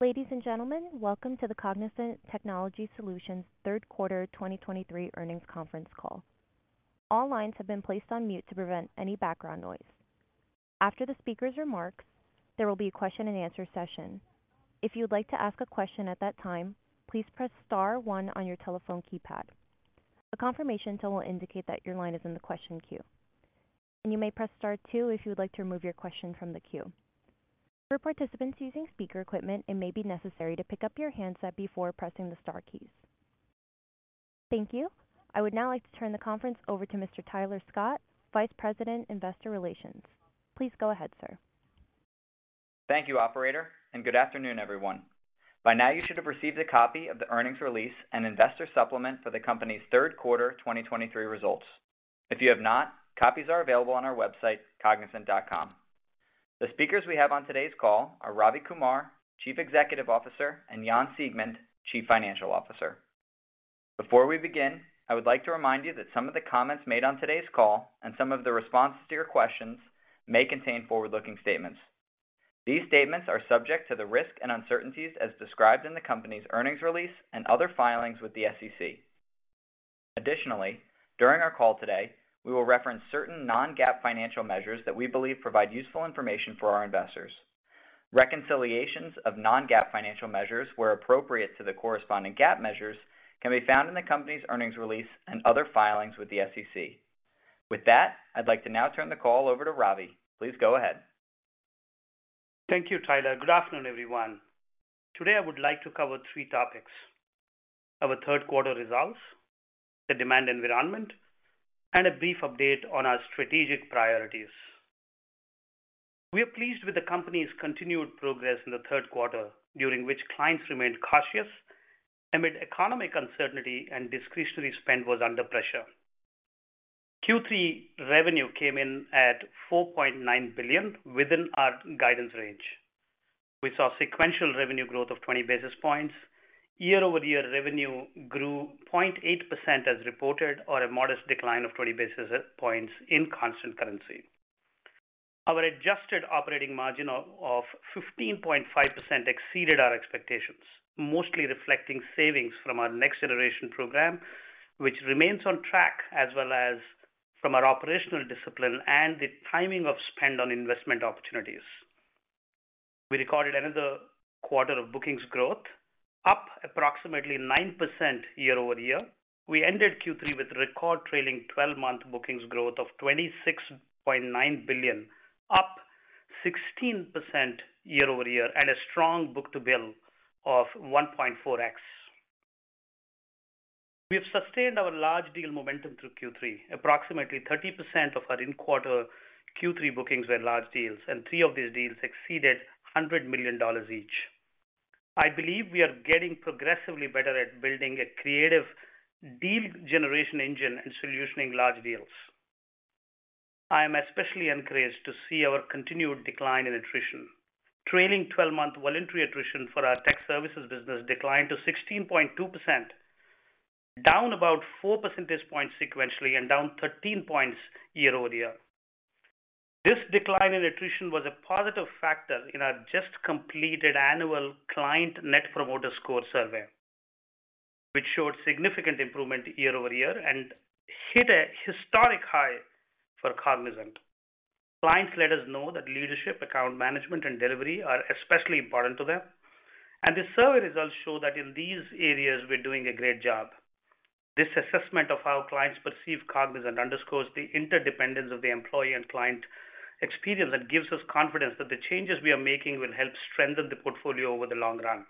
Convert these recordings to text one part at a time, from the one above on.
Ladies and gentlemen, welcome to the Cognizant Technology Solutions Third Quarter 2023 Earnings Conference Call. All lines have been placed on mute to prevent any background noise. After the speaker's remarks, there will be a question and answer session. If you'd like to ask a question at that time, please press star one on your telephone keypad. A confirmation tone will indicate that your line is in the question queue, and you may press star two if you would like to remove your question from the queue. For participants using speaker equipment, it may be necessary to pick up your handset before pressing the star keys. Thank you. I would now like to turn the conference over to Mr. Tyler Scott, Vice President, Investor Relations. Please go ahead, sir. Thank you, Operator, and good afternoon, everyone. By now, you should have received a copy of the earnings release and investor supplement for the company's third quarter 2023 results. If you have not, copies are available on our website, Cognizant.com. The speakers we have on today's call are Ravi Kumar, Chief Executive Officer, and Jan Siegmund, Chief Financial Officer. Before we begin, I would like to remind you that some of the comments made on today's call and some of the responses to your questions may contain forward-looking statements. These statements are subject to the risks and uncertainties as described in the company's earnings release and other filings with the SEC. Additionally, during our call today, we will reference certain non-GAAP financial measures that we believe provide useful information for our investors. Reconciliations of non-GAAP financial measures, where appropriate to the corresponding GAAP measures, can be found in the company's earnings release and other filings with the SEC. With that, I'd like to now turn the call over to Ravi. Please go ahead. Thank you, Tyler. Good afternoon, everyone. Today, I would like to cover three topics: our third quarter results, the demand environment, and a brief update on our strategic priorities. We are pleased with the company's continued progress in the third quarter, during which clients remained cautious amid economic uncertainty and discretionary spend was under pressure. Q3 revenue came in at $4.9 billion, within our guidance range. We saw sequential revenue growth of 20 basis points. Year-over-year revenue grew 0.8% as reported, or a modest decline of 20 basis points in constant currency. Our adjusted operating margin of 15.5% exceeded our expectations, mostly reflecting savings from our NextGen program, which remains on track, as well as from our operational discipline and the timing of spend on investment opportunities. We recorded another quarter of bookings growth, up approximately 9% year over year. We ended Q3 with record trailing twelve-month bookings growth of $26.9 billion, up 16% year-over-year, and a strong book-to-bill of 1.4x. We have sustained our large deal momentum through Q3. Approximately 30% of our in-quarter Q3 bookings were large deals, and three of these deals exceeded $100 million each. I believe we are getting progressively better at building a creative deal generation engine and solutioning large deals. I am especially encouraged to see our continued decline in attrition. Trailing twelve-month voluntary attrition for our tech services business declined to 16.2%, down about four percentage points sequentially and down 13 points year-over-year. This decline in attrition was a positive factor in our just-completed annual Client Net Promoter Score survey, which showed significant improvement year-over-year and hit a historic high for Cognizant. Clients let us know that leadership, account management, and delivery are especially important to them, and the survey results show that in these areas we're doing a great job. This assessment of how clients perceive Cognizant underscores the interdependence of the employee and client experience that gives us confidence that the changes we are making will help strengthen the portfolio over the long run.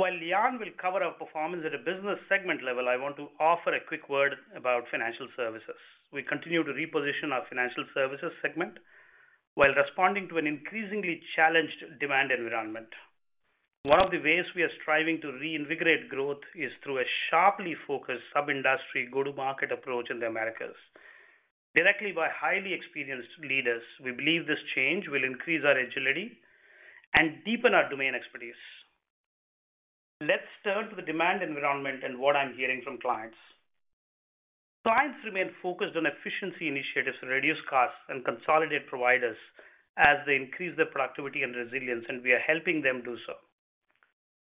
While Jan will cover our performance at a business segment level, I want to offer a quick word about financial services. We continue to reposition our financial services segment while responding to an increasingly challenged demand environment. One of the ways we are striving to reinvigorate growth is through a sharply focused sub-industry go-to-market approach in the Americas, directly by highly experienced leaders. We believe this change will increase our agility and deepen our domain expertise. Let's turn to the demand environment and what I'm hearing from clients. Clients remain focused on efficiency initiatives to reduce costs and consolidate providers as they increase their productivity and resilience, and we are helping them do so.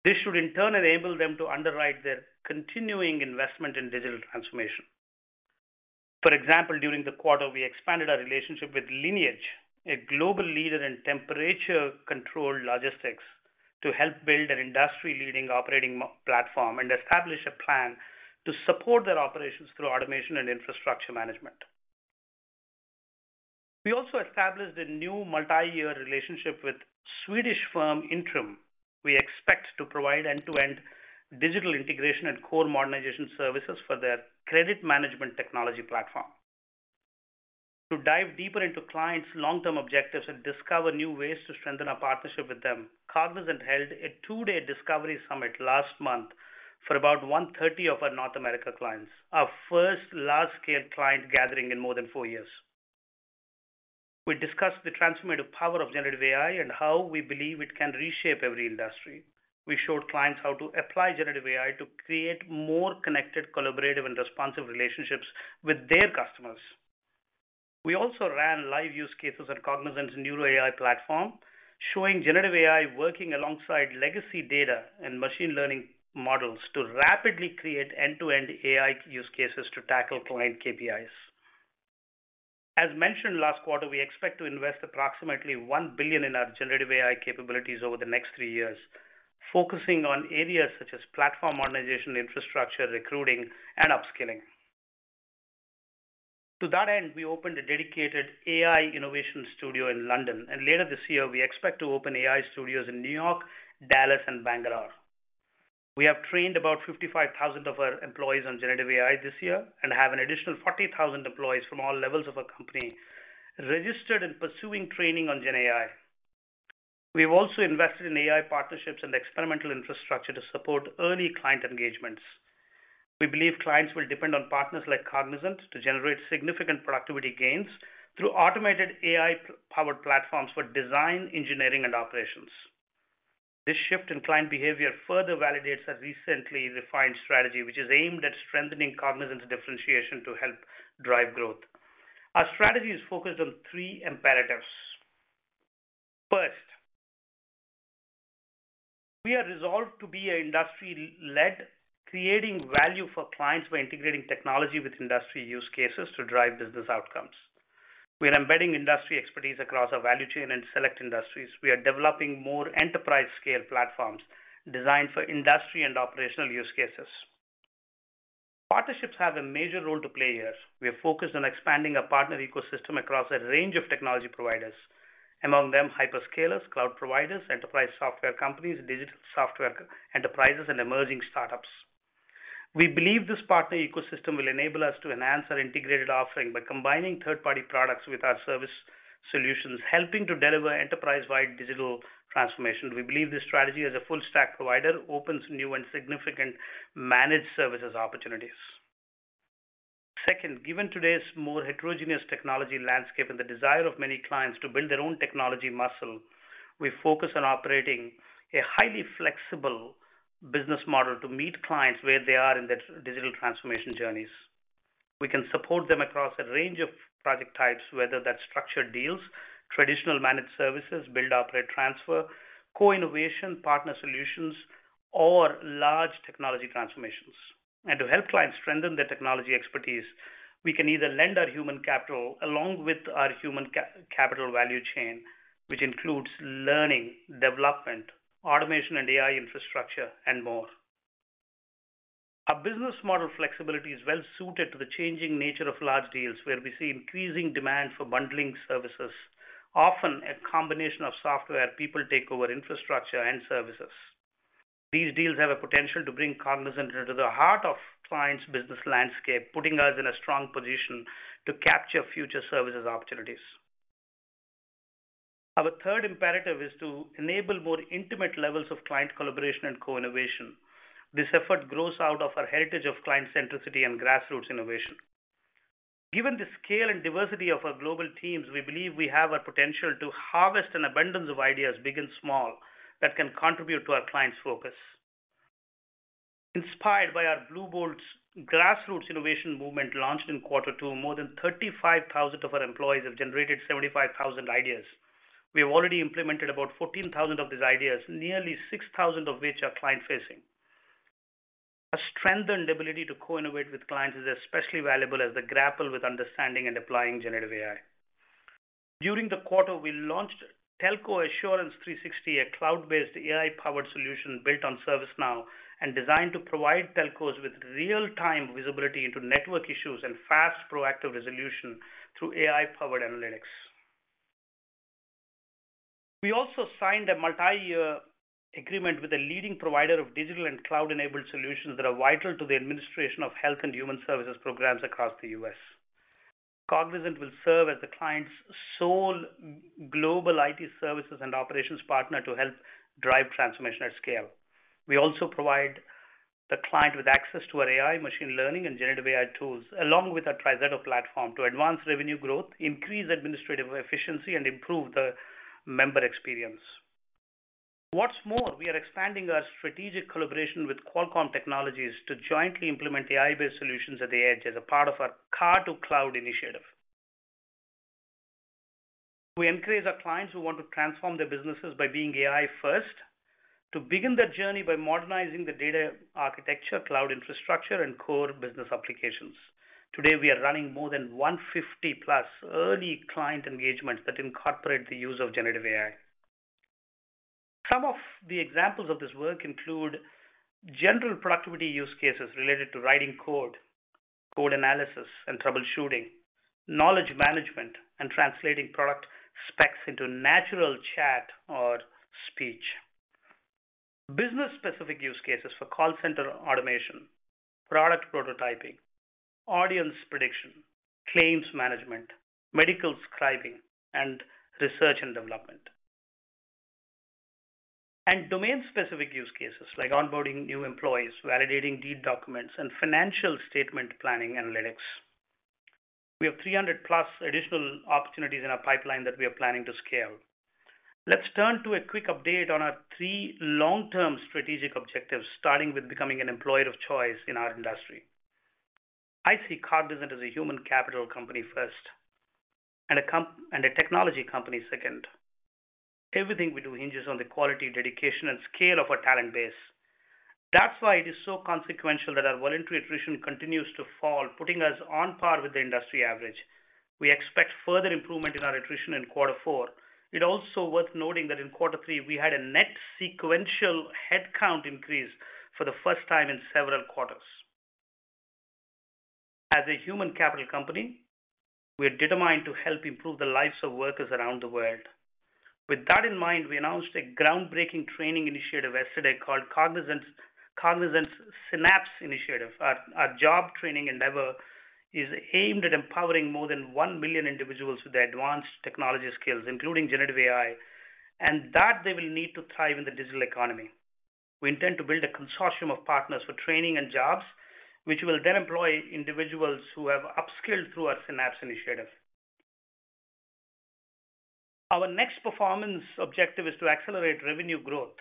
This should in turn enable them to underwrite their continuing investment in digital transformation. For example, during the quarter, we expanded our relationship with Lineage, a global leader in temperature-controlled logistics, to help build an industry-leading operating platform and establish a plan to support their operations through automation and infrastructure management. We also established a new multi-year relationship with Swedish firm Intrum. We expect to provide end-to-end digital integration and core modernization services for their credit management technology platform. To dive deeper into clients' long-term objectives and discover new ways to strengthen our partnership with them, Cognizant held a two-day discovery summit last month for about 130 of our North America clients, our first large-scale client gathering in more than four years. We discussed the transformative power of generative AI and how we believe it can reshape every industry. We showed clients how to apply generative AI to create more connected, collaborative, and responsive relationships with their customers.... We also ran live use cases at Cognizant's Neuro AI platform, showing generative AI working alongside legacy data and machine learning models to rapidly create end-to-end AI use cases to tackle client KPIs. As mentioned last quarter, we expect to invest approximately $1 billion in our generative AI capabilities over the next three years, focusing on areas such as platform modernization, infrastructure, recruiting, and upskilling. To that end, we opened a dedicated AI innovation studio in London, and later this year we expect to open AI studios in New York, Dallas and Bangalore. We have trained about 55,000 of our employees on generative AI this year, and have an additional 40,000 employees from all levels of our company registered and pursuing training on GenAI. We've also invested in AI partnerships and experimental infrastructure to support early client engagements. We believe clients will depend on partners like Cognizant to generate significant productivity gains through automated AI-powered platforms for design, engineering, and operations. This shift in client behavior further validates our recently refined strategy, which is aimed at strengthening Cognizant's differentiation to help drive growth. Our strategy is focused on three imperatives. First, we are resolved to be an industry lead, creating value for clients by integrating technology with industry use cases to drive business outcomes. We are embedding industry expertise across our value chain and select industries. We are developing more enterprise-scale platforms designed for industry and operational use cases. Partnerships have a major role to play here. We are focused on expanding our partner ecosystem across a range of technology providers. Among them, hyperscalers, cloud providers, enterprise software companies, digital software enterprises, and emerging startups. We believe this partner ecosystem will enable us to enhance our integrated offering by combining third-party products with our service solutions, helping to deliver enterprise-wide digital transformation. We believe this strategy as a full stack provider, opens new and significant managed services opportunities. Second, given today's more heterogeneous technology landscape and the desire of many clients to build their own technology muscle, we focus on operating a highly flexible business model to meet clients where they are in their digital transformation journeys. We can support them across a range of project types, whether that's structured deals, traditional managed services, build-operate-transfer, co-innovation, partner solutions, or large technology transformations. To help clients strengthen their technology expertise, we can either lend our human capital along with our human capital value chain, which includes learning, development, automation, and AI infrastructure, and more. Our business model flexibility is well suited to the changing nature of large deals, where we see increasing demand for bundling services, often a combination of software, people takeover infrastructure and services. These deals have a potential to bring Cognizant into the heart of clients' business landscape, putting us in a strong position to capture future services opportunities. Our third imperative is to enable more intimate levels of client collaboration and co-innovation. This effort grows out of our heritage of client centricity and grassroots innovation. Given the scale and diversity of our global teams, we believe we have a potential to harvest an abundance of ideas, big and small, that can contribute to our clients' focus. Inspired by our Bluebolt grassroots innovation movement, launched in quarter two, more than 35,000 of our employees have generated 75,000 ideas. We have already implemented about 14,000 of these ideas, nearly 6,000 of which are client-facing. Our strengthened ability to co-innovate with clients is especially valuable as they grapple with understanding and applying generative AI. During the quarter, we launched Telco Assurance 360, a cloud-based, AI-powered solution built on ServiceNow and designed to provide telcos with real-time visibility into network issues and fast proactive resolution through AI-powered analytics. We also signed a multi-year agreement with a leading provider of digital and cloud-enabled solutions that are vital to the administration of health and human services programs across the U.S. Cognizant will serve as the client's sole global IT services and operations partner to help drive transformation at scale. We also provide the client with access to our AI, machine learning, and generative AI tools, along with our TriZetto platform, to advance revenue growth, increase administrative efficiency, and improve the member experience. What's more, we are expanding our strategic collaboration with Qualcomm Technologies to jointly implement AI-based solutions at the edge as a part of our Car- to-Cloud initiative. We encourage our clients who want to transform their businesses by being AI first, to begin their journey by modernizing the data architecture, cloud infrastructure, and core business applications. Today, we are running more than 150+ early client engagements that incorporate the use of generative AI. Some of the examples of this work include general productivity use cases related to writing code, code analysis and troubleshooting, knowledge management, and translating product specs into natural chat or speech. Business-specific use cases for call center automation, product prototyping, audience prediction, claims management, medical scribing, and research and development. Domain-specific use cases like onboarding new employees, validating deed documents, and financial statement planning analytics. We have 300+ additional opportunities in our pipeline that we are planning to scale. Let's turn to a quick update on our three long-term strategic objectives, starting with becoming an employer of choice in our industry. I see Cognizant as a human capital company first, and a technology company second. Everything we do hinges on the quality, dedication, and scale of our talent base. That's why it is so consequential that our voluntary attrition continues to fall, putting us on par with the industry average. We expect further improvement in our attrition in quarter four. It's also worth noting that in quarter three, we had a net sequential headcount increase for the first time in several quarters. As a human capital company, we are determined to help improve the lives of workers around the world. With that in mind, we announced a groundbreaking training initiative yesterday called Cognizant Synapse Initiative. Our job training endeavor is aimed at empowering more than 1 million individuals with the advanced technology skills, including generative AI, and that they will need to thrive in the digital economy. We intend to build a consortium of partners for training and jobs, which will then employ individuals who have upskilled through our Synapse initiative. Our next performance objective is to accelerate revenue growth.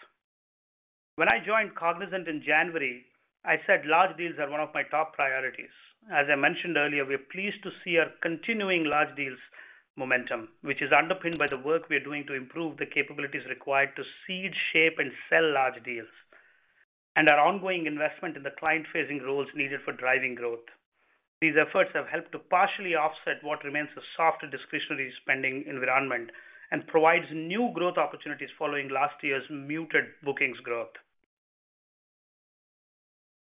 When I joined Cognizant in January, I said large deals are one of my top priorities. As I mentioned earlier, we are pleased to see our continuing large deals momentum, which is underpinned by the work we're doing to improve the capabilities required to seed, shape, and sell large deals, and our ongoing investment in the client-facing roles needed for driving growth. These efforts have helped to partially offset what remains a soft discretionary spending environment and provides new growth opportunities following last year's muted bookings growth.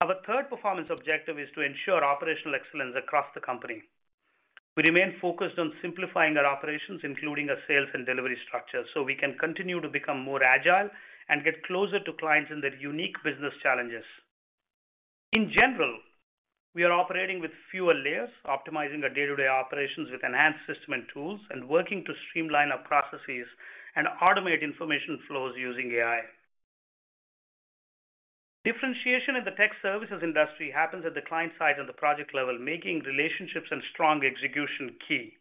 Our third performance objective is to ensure operational excellence across the company. We remain focused on simplifying our operations, including our sales and delivery structure, so we can continue to become more agile and get closer to clients and their unique business challenges. In general, we are operating with fewer layers, optimizing our day-to-day operations with enhanced system and tools, and working to streamline our processes and automate information flows using AI. Differentiation in the tech services industry happens at the client site on the project level, making relationships and strong execution key.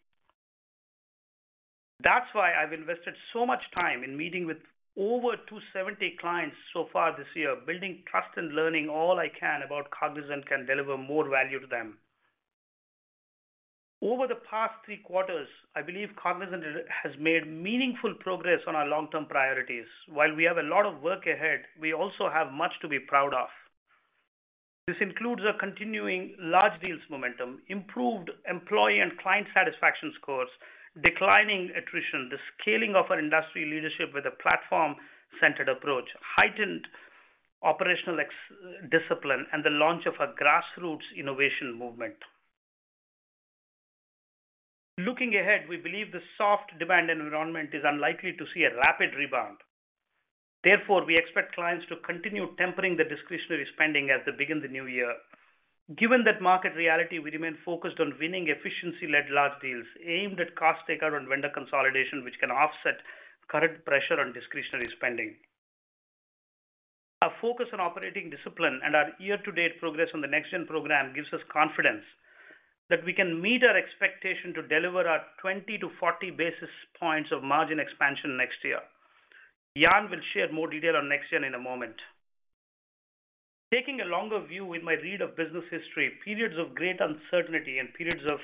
That's why I've invested so much time in meeting with over 270 clients so far this year, building trust and learning all I can about how Cognizant can deliver more value to them. Over the past three quarters, I believe Cognizant has made meaningful progress on our long-term priorities. While we have a lot of work ahead, we also have much to be proud of. This includes a continuing large deals momentum, improved employee and client satisfaction scores, declining attrition, the scaling of our industry leadership with a platform-centered approach, heightened operational excellence, discipline, and the launch of a grassroots innovation movement. Looking ahead, we believe the soft demand environment is unlikely to see a rapid rebound. Therefore, we expect clients to continue tempering discretionary spending as they begin the new year. Given that market reality, we remain focused on winning efficiency-led large deals aimed at cost takeout and vendor consolidation, which can offset current pressure on discretionary spending. Our focus on operating discipline and our year-to-date progress on the NextGen program gives us confidence that we can meet our expectation to deliver our 20-40 basis points of margin expansion next year. Jan will share more detail on NextGen in a moment. Taking a longer view with my read of business history, periods of great uncertainty and periods of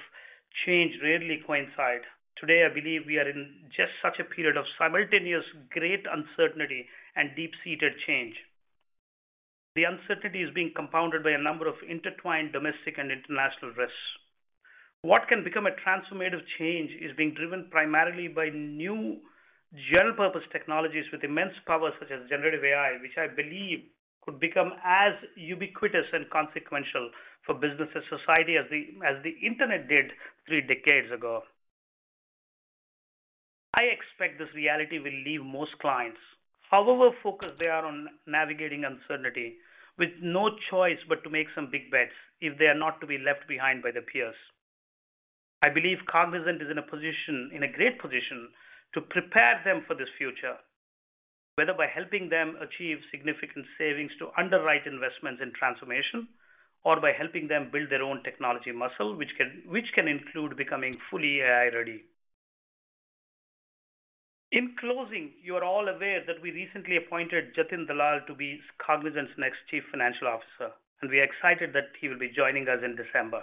change rarely coincide. Today, I believe we are in just such a period of simultaneous great uncertainty and deep-seated change. The uncertainty is being compounded by a number of intertwined domestic and international risks. What can become a transformative change is being driven primarily by new general-purpose technologies with immense power, such as generative AI, which I believe could become as ubiquitous and consequential for business and society as the internet did three decades ago. I expect this reality will leave most clients, however focused they are on navigating uncertainty, with no choice but to make some big bets if they are not to be left behind by their peers. I believe Cognizant is in a position - in a great position - to prepare them for this future, whether by helping them achieve significant savings to underwrite investments in transformation, or by helping them build their own technology muscle, which can include becoming fully AI ready. In closing, you are all aware that we recently appointed Jatin Dalal to be Cognizant's next Chief Financial Officer, and we are excited that he will be joining us in December.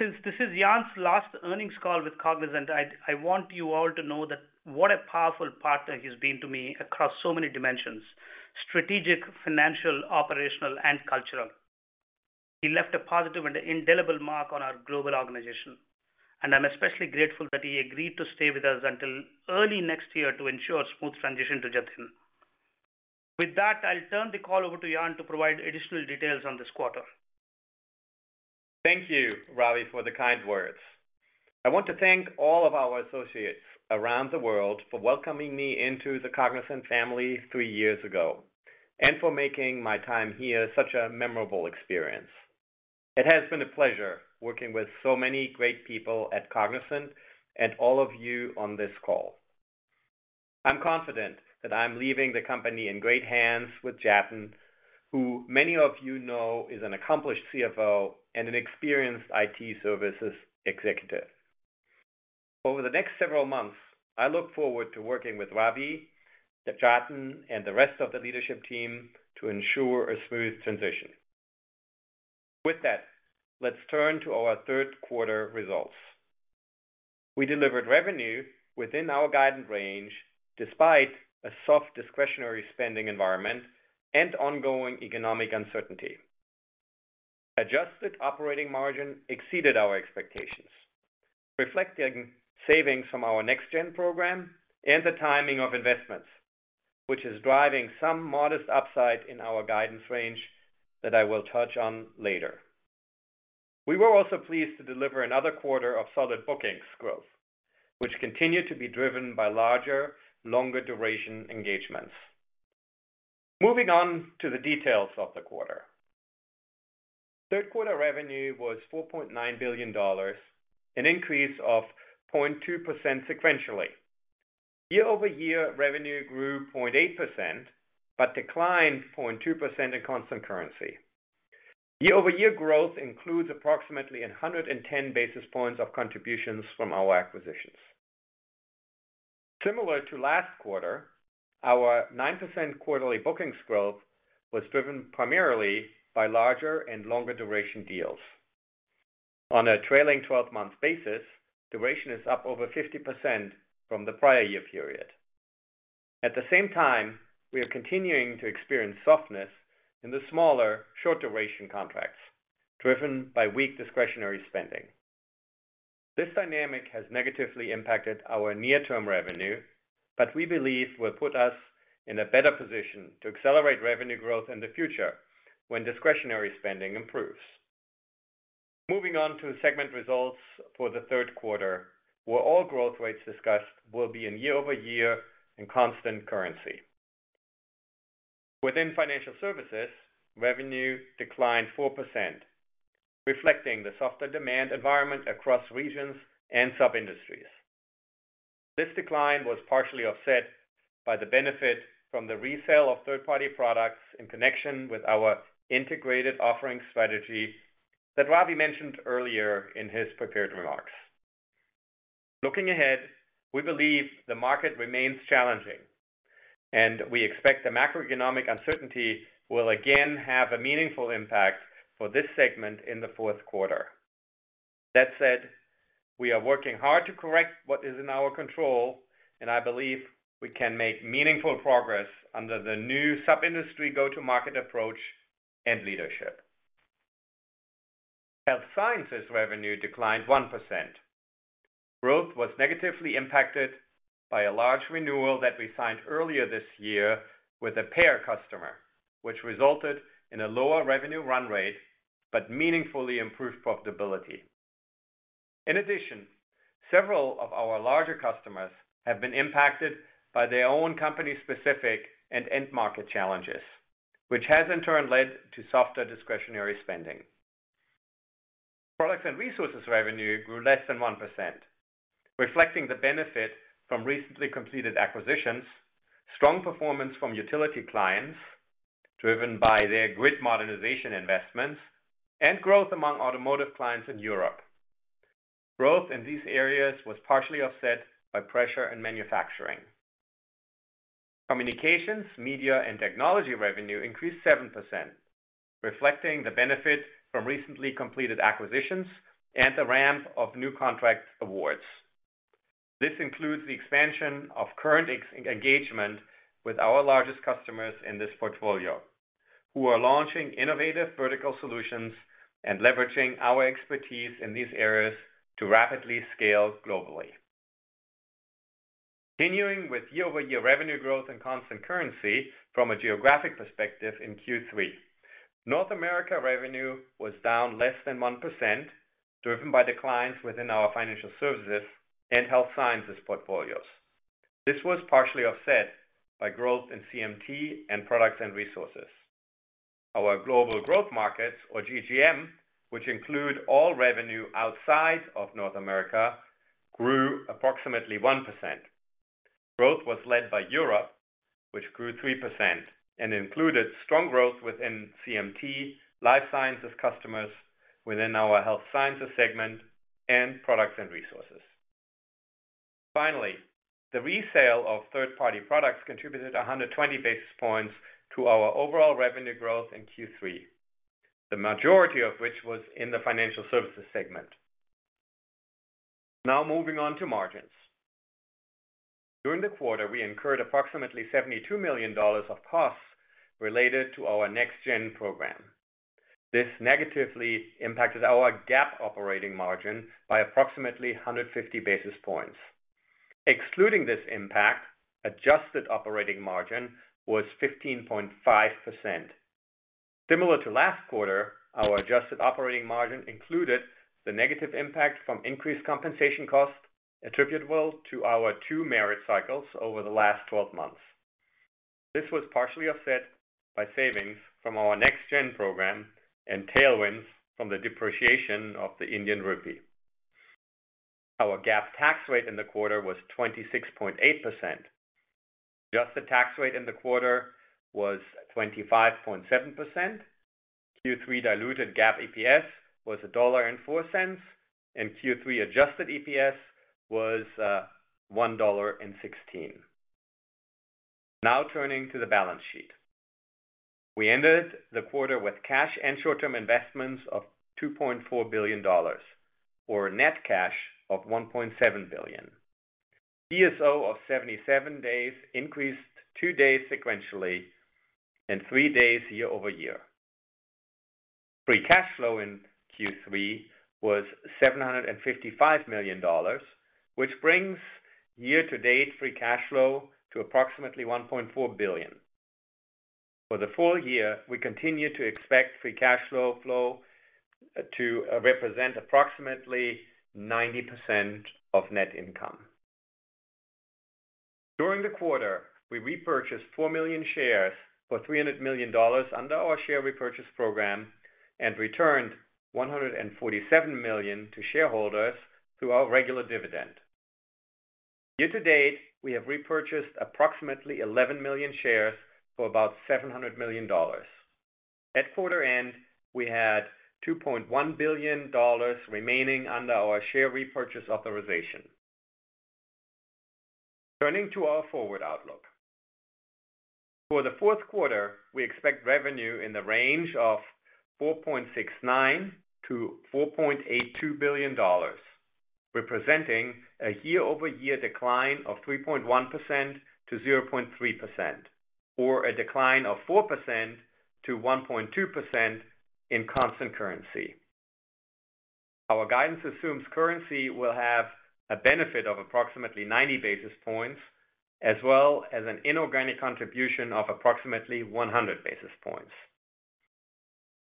Since this is Jan's last earnings call with Cognizant, I want you all to know that what a powerful partner he's been to me across so many dimensions: strategic, financial, operational, and cultural. He left a positive and indelible mark on our global organization, and I'm especially grateful that he agreed to stay with us until early next year to ensure a smooth transition to Jatin. With that, I'll turn the call over to Jan to provide additional details on this quarter. Thank you, Ravi, for the kind words. I want to thank all of our associates around the world for welcoming me into the Cognizant family three years ago, and for making my time here such a memorable experience. It has been a pleasure working with so many great people at Cognizant and all of you on this call.... I'm confident that I'm leaving the company in great hands with Jatin, who many of you know is an accomplished CFO and an experienced IT services executive. Over the next several months, I look forward to working with Ravi, Jatin, and the rest of the leadership team to ensure a smooth transition. With that, let's turn to our third quarter results. We delivered revenue within our guidance range, despite a soft discretionary spending environment and ongoing economic uncertainty. Adjusted operating margin exceeded our expectations, reflecting savings from our NextGen program and the timing of investments, which is driving some modest upside in our guidance range that I will touch on later. We were also pleased to deliver another quarter of solid bookings growth, which continued to be driven by larger, longer duration engagements. Moving on to the details of the quarter. Third quarter revenue was $4.9 billion, an increase of 0.2% sequentially. Year-over-year revenue grew 0.8%, but declined 0.2% in constant currency. Year-over-year growth includes approximately 110 basis points of contributions from our acquisitions. Similar to last quarter, our 9% quarterly bookings growth was driven primarily by larger and longer duration deals. On a trailing twelve-month basis, duration is up over 50% from the prior year period. At the same time, we are continuing to experience softness in the smaller, short duration contracts, driven by weak discretionary spending. This dynamic has negatively impacted our near-term revenue, but we believe will put us in a better position to accelerate revenue growth in the future when discretionary spending improves. Moving on to segment results for the third quarter, where all growth rates discussed will be in year-over-year and constant currency. Within financial services, revenue declined 4%, reflecting the softer demand environment across regions and sub-industries. This decline was partially offset by the benefit from the resale of third-party products in connection with our integrated offering strategy that Ravi mentioned earlier in his prepared remarks. Looking ahead, we believe the market remains challenging, and we expect the macroeconomic uncertainty will again have a meaningful impact for this segment in the fourth quarter. That said, we are working hard to correct what is in our control, and I believe we can make meaningful progress under the new sub-industry go-to-market approach and leadership. Health sciences revenue declined 1%. Growth was negatively impacted by a large renewal that we signed earlier this year with a payer customer, which resulted in a lower revenue run rate, but meaningfully improved profitability. In addition, several of our larger customers have been impacted by their own company-specific and end market challenges, which has in turn led to softer discretionary spending. Products and resources revenue grew less than 1%, reflecting the benefit from recently completed acquisitions, strong performance from utility clients, driven by their grid modernization investments, and growth among automotive clients in Europe. Growth in these areas was partially offset by pressure and manufacturing. Communications, media, and technology revenue increased 7%, reflecting the benefit from recently completed acquisitions and the ramp of new contract awards. This includes the expansion of current existing engagement with our largest customers in this portfolio, who are launching innovative vertical solutions and leveraging our expertise in these areas to rapidly scale globally. Continuing with year-over-year revenue growth in constant currency from a geographic perspective in Q3. North America revenue was down less than 1%, driven by declines within our financial services and health sciences portfolios. This was partially offset by growth in CMT and products and resources. Our global growth markets, or GGM, which include all revenue outside of North America, grew approximately 1%. Growth was led by Europe, which grew 3% and included strong growth within CMT, life sciences customers within our health sciences segment, and products and resources. Finally, the resale of third-party products contributed 120 basis points to our overall revenue growth in Q3, the majority of which was in the financial services segment. Now moving on to margins. During the quarter, we incurred approximately $72 million of costs related to our NextGen program. This negatively impacted our GAAP operating margin by approximately 150 basis points. Excluding this impact, adjusted operating margin was 15.5%. Similar to last quarter, our adjusted operating margin included the negative impact from increased compensation costs attributable to our two merit cycles over the last 12 months. This was partially offset by savings from our NextGen program and tailwinds from the depreciation of the Indian rupee. Our GAAP tax rate in the quarter was 26.8%. Adjusted tax rate in the quarter was 25.7%. Q3 diluted GAAP EPS was $1.04, and Q3 adjusted EPS was $1.16. Now turning to the balance sheet. We ended the quarter with cash and short-term investments of $2.4 billion, or net cash of $1.7 billion. DSO of 77 days increased two days sequentially and three days year-over-year. Free cash flow in Q3 was $755 million, which brings year-to-date free cash flow to approximately $1.4 billion. For the full year, we continue to expect free cash flow to represent approximately 90% of net income. During the quarter, we repurchased 4 million shares for $300 million under our share repurchase program and returned $147 million to shareholders through our regular dividend. Year to date, we have repurchased approximately 11 million shares for about $700 million. At quarter end, we had $2.1 billion remaining under our share repurchase authorization. Turning to our forward outlook. For the fourth quarter, we expect revenue in the range of $4.69 billion-$4.82 billion, representing a year-over-year decline of 3.1%-0.3%, or a decline of 4%-1.2% in constant currency. Our guidance assumes currency will have a benefit of approximately 90 basis points, as well as an inorganic contribution of approximately 100 basis points.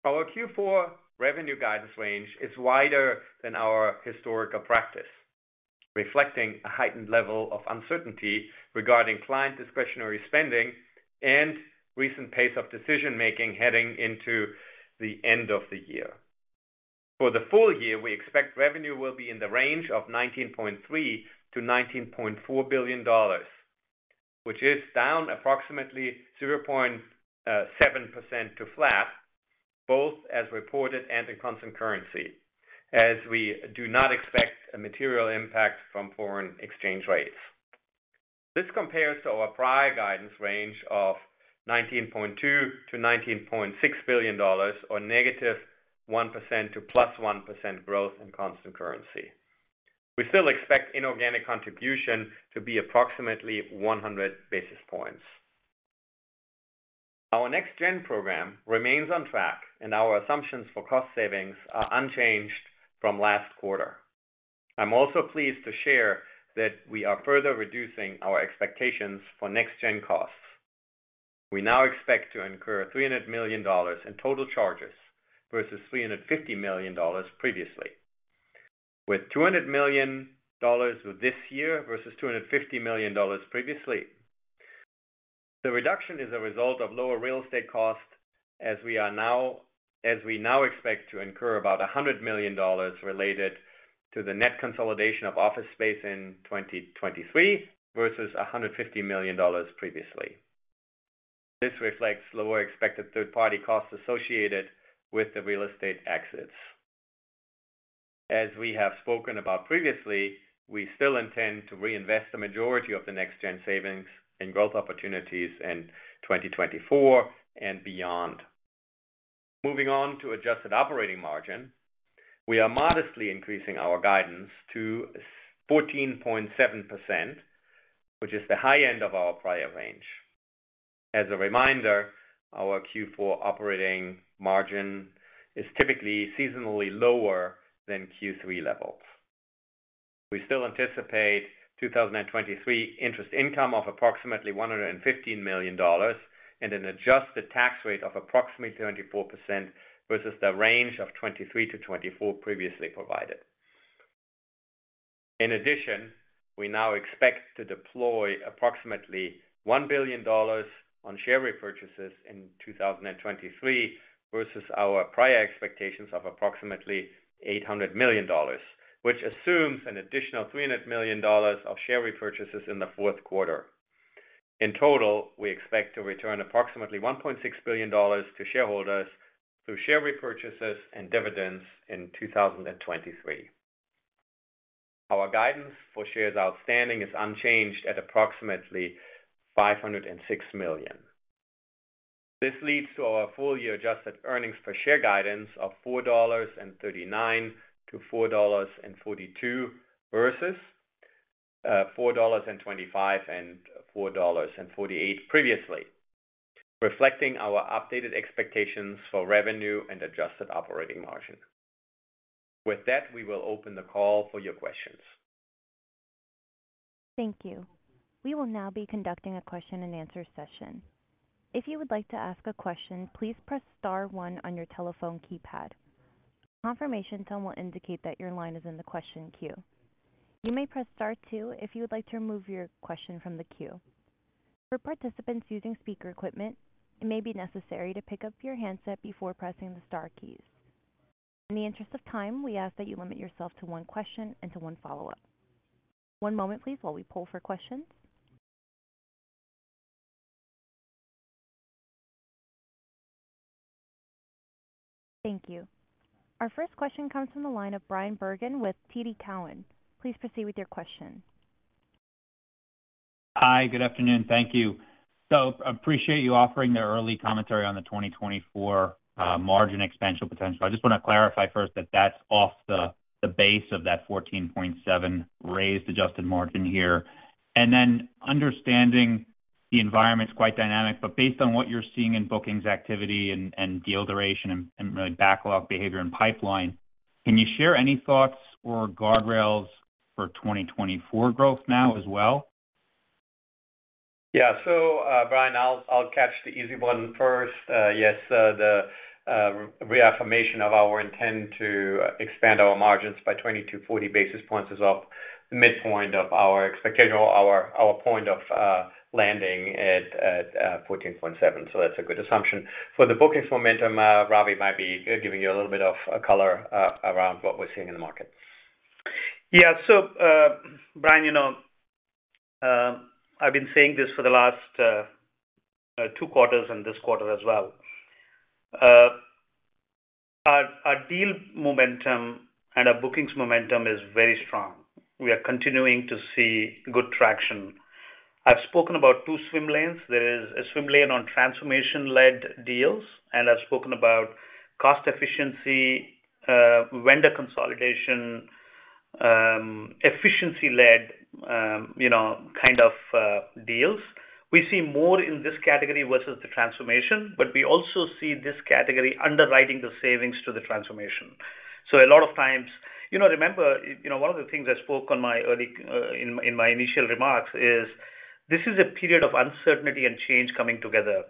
Our Q4 revenue guidance range is wider than our historical practice, reflecting a heightened level of uncertainty regarding client discretionary spending and recent pace of decision-making heading into the end of the year. For the full year, we expect revenue will be in the range of $19.3 billion-$19.4 billion, which is down approximately 0.7% to flat, both as reported and in constant currency, as we do not expect a material impact from foreign exchange rates. This compares to our prior guidance range of $19.2 billion-$19.6 billion, or -1% to +1% growth in constant currency. We still expect inorganic contribution to be approximately 100 basis points. Our NextGen program remains on track and our assumptions for cost savings are unchanged from last quarter. I'm also pleased to share that we are further reducing our expectations for NextGen costs. We now expect to incur $300 million in total charges versus $350 million previously, with $200 million this year versus $250 million previously. The reduction is a result of lower real estate costs, as we now expect to incur about $100 million related to the net consolidation of office space in 2023 versus $150 million previously. This reflects lower expected third-party costs associated with the real estate exits. As we have spoken about previously, we still intend to reinvest the majority of the NextGen savings in growth opportunities in 2024 and beyond. Moving on to adjusted operating margin. We are modestly increasing our guidance to 14.7%, which is the high end of our prior range. As a reminder, our Q4 operating margin is typically seasonally lower than Q3 levels. We still anticipate 2023 interest income of approximately $115 million and an adjusted tax rate of approximately 24% versus the range of 23%-24% previously provided. In addition, we now expect to deploy approximately $1 billion on share repurchases in 2023 versus our prior expectations of approximately $800 million, which assumes an additional $300 million of share repurchases in the fourth quarter. In total, we expect to return approximately $1.6 billion to shareholders through share repurchases and dividends in 2023. Our guidance for shares outstanding is unchanged at approximately 506 million. This leads to our full-year adjusted earnings per share guidance of $4.39-$4.42 versus $4.25-$4.48 previously, reflecting our updated expectations for revenue and adjusted operating margin. With that, we will open the call for your questions. Thank you. We will now be conducting a question and answer session. If you would like to ask a question, please press star one on your telephone keypad. A confirmation tone will indicate that your line is in the question queue. You may press star two if you would like to remove your question from the queue. For participants using speaker equipment, it may be necessary to pick up your handset before pressing the star keys. In the interest of time, we ask that you limit yourself to one question and to one follow-up. One moment please, while we poll for questions. Thank you. Our first question comes from the line of Bryan Bergin with TD Cowen. Please proceed with your question. Hi, good afternoon. Thank you. So appreciate you offering the early commentary on the 2024 margin expansion potential. I just want to clarify first that that's off the base of that 14.7% adjusted margin here. And then understanding the environment's quite dynamic, but based on what you're seeing in bookings activity and deal duration and really backlog behavior and pipeline, can you share any thoughts or guardrails for 2024 growth now as well? Yeah. So, Bryan, I'll catch the easy one first. Yes, the reaffirmation of our intent to expand our margins by 20-40 basis points is off the midpoint of our expectation or our point of landing at 14.7. So that's a good assumption. For the bookings momentum, Ravi might be giving you a little bit of color around what we're seeing in the market. Yeah. So, Bryan, you know, I've been saying this for the last two quarters and this quarter as well. Our deal momentum and our bookings momentum is very strong. We are continuing to see good traction. I've spoken about two swim lanes. There is a swim lane on transformation-led deals, and I've spoken about cost efficiency, vendor consolidation, efficiency-led, you know, kind of deals. We see more in this category versus the transformation, but we also see this category underwriting the savings to the transformation. So a lot of times... You know, remember, you know, one of the things I spoke on my early, in my initial remarks is, this is a period of uncertainty and change coming together.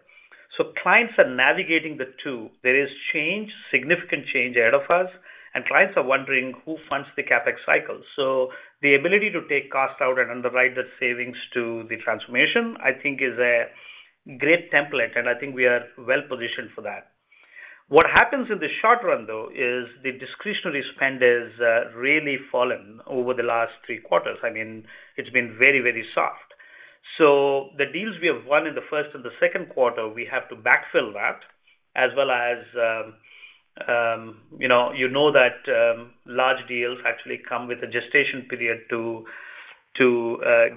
So clients are navigating the two. There is change, significant change ahead of us, and clients are wondering who funds the CapEx cycle. So the ability to take costs out and underwrite the savings to the transformation, I think is a great template, and I think we are well positioned for that. What happens in the short run, though, is the discretionary spend has really fallen over the last three quarters. I mean, it's been very, very soft. So the deals we have won in the first and the second quarter, we have to backfill that as well as, you know, you know that, large deals actually come with a gestation period to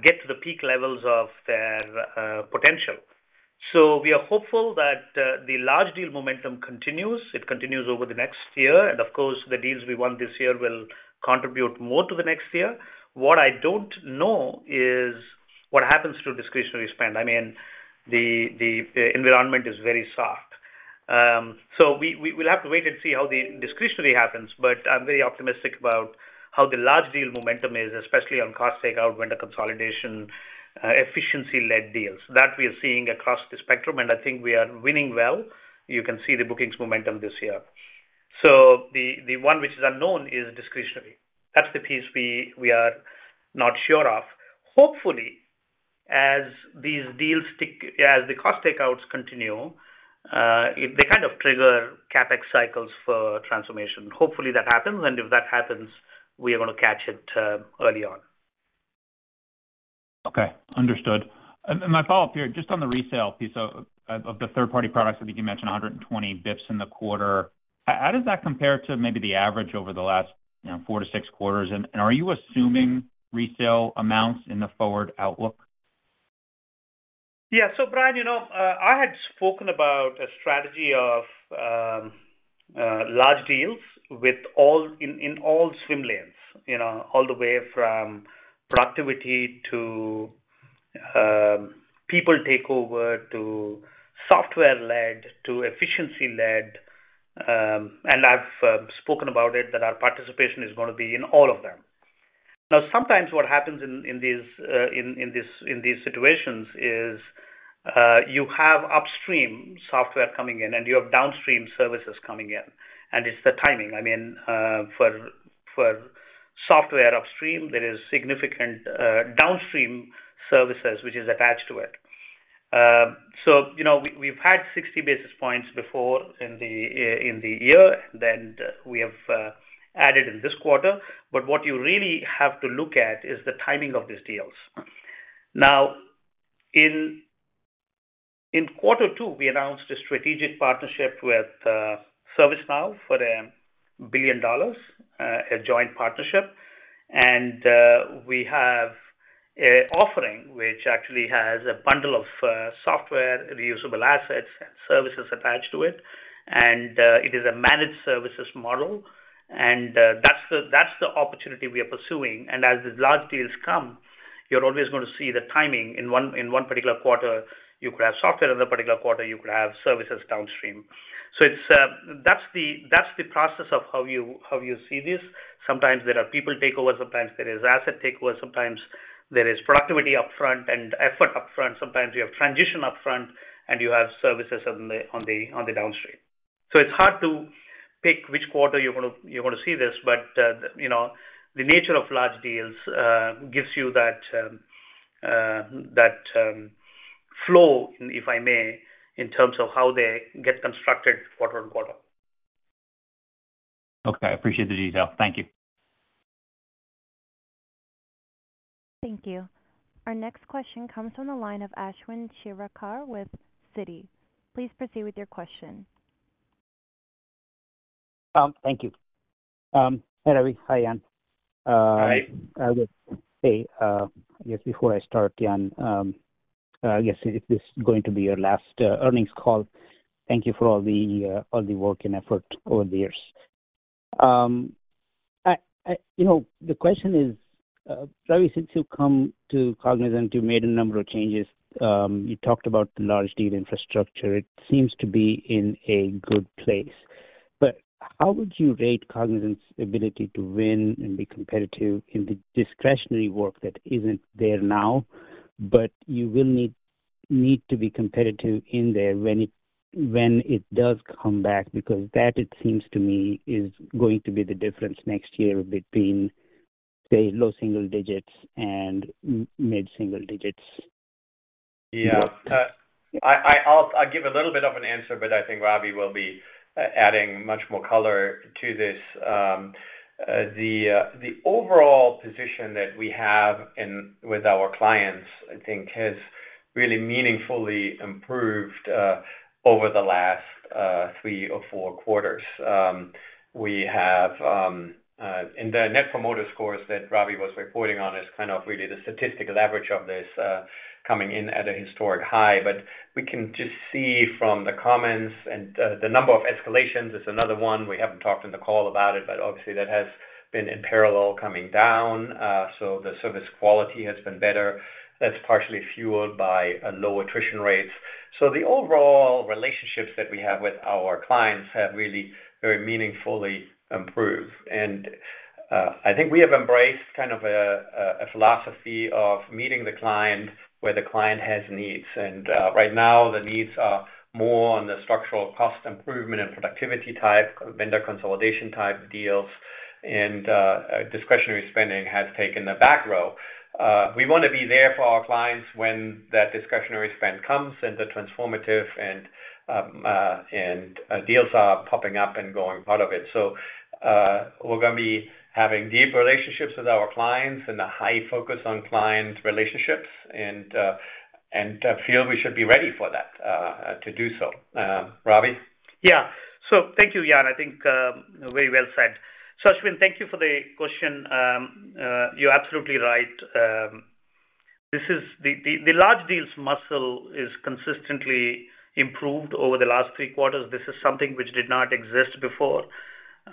get to the peak levels of their potential. So we are hopeful that the large deal momentum continues. It continues over the next year, and of course, the deals we won this year will contribute more to the next year. What I don't know is what happens to discretionary spend. I mean, the environment is very soft. So we'll have to wait and see how the discretionary happens, but I'm very optimistic about how the large deal momentum is, especially on cost takeout, vendor consolidation, efficiency-led deals. That we are seeing across the spectrum, and I think we are winning well. You can see the bookings momentum this year. So the one which is unknown is discretionary. That's the piece we are not sure of. Hopefully, as these deals stick, as the cost takeouts continue, they kind of trigger CapEx cycles for transformation. Hopefully, that happens, and if that happens, we are going to catch it early on. Okay. Understood. My follow-up here, just on the resale piece of the third-party products, I think you mentioned 120 in the quarter. How does that compare to maybe the average over the last, you know, four to six quarters? Are you assuming resale amounts in the forward outlook? Yeah. So Brian, you know, I had spoken about a strategy of large deals with all in all swim lanes, you know, all the way from productivity to people takeover, to software-led, to efficiency-led. And I've spoken about it, that our participation is gonna be in all of them. Now, sometimes what happens in these situations is you have upstream software coming in, and you have downstream services coming in, and it's the timing. I mean, for software upstream, there is significant downstream services which is attached to it. So, you know, we, we've had 60 basis points before in the year, then we have added in this quarter. But what you really have to look at is the timing of these deals. Now, in quarter two, we announced a strategic partnership with ServiceNow for $1 billion, a joint partnership. And we have a offering which actually has a bundle of software, reusable assets, and services attached to it, and it is a managed services model. And that's the opportunity we are pursuing. And as the large deals come, you're always gonna see the timing. In one particular quarter, you could have software. In a particular quarter, you could have services downstream. So it's. That's the process of how you see this. Sometimes there are people takeover, sometimes there is asset takeover, sometimes there is productivity upfront and effort upfront. Sometimes you have transition upfront and you have services on the downstream. So it's hard to pick which quarter you're gonna, you're gonna see this, but, you know, the nature of large deals gives you that flow, if I may, in terms of how they get constructed quarter on quarter. Okay, I appreciate the detail. Thank you. Thank you. Our next question comes from the line of Ashwin Shirvaikar with Citi. Please proceed with your question. Thank you. Hi, Ravi. Hi, Jan. Hi. I would say, I guess before I start, Jan, I guess if this is going to be your last earnings call, thank you for all the, all the work and effort over the years. I, I-- you know, the question is, Ravi, since you've come to Cognizant, you've made a number of changes. You talked about the large deal infrastructure. It seems to be in a good place. How would you rate Cognizant's ability to win and be competitive in the discretionary work that isn't there now, but you will need, need to be competitive in there when it, when it does come back, because that, it seems to me, is going to be the difference next year between, say, low single digits and mid single digits. Yeah. I'll give a little bit of an answer, but I think Ravi will be adding much more color to this. The overall position that we have in with our clients, I think, has really meaningfully improved over the last three or four quarters. We have in the net promoter scores that Ravi was reporting on is kind of really the statistical average of this coming in at a historic high. But we can just see from the comments and the number of escalations is another one. We haven't talked in the call about it, but obviously that has been in parallel, coming down. So the service quality has been better. That's partially fueled by a low attrition rates. So the overall relationships that we have with our clients have really very meaningfully improved. I think we have embraced kind of a philosophy of meeting the client where the client has needs, and right now, the needs are more on the structural cost improvement and productivity type, vendor consolidation type deals, and discretionary spending has taken a back row. We want to be there for our clients when that discretionary spend comes and the transformative and deals are popping up and going part of it. We're gonna be having deep relationships with our clients and a high focus on client relationships, and I feel we should be ready for that, to do so. Ravi? Yeah. So thank you, Jan. I think, very well said. So Ashwin, thank you for the question. You're absolutely right. This is the large deals muscle is consistently improved over the last three quarters. This is something which did not exist before.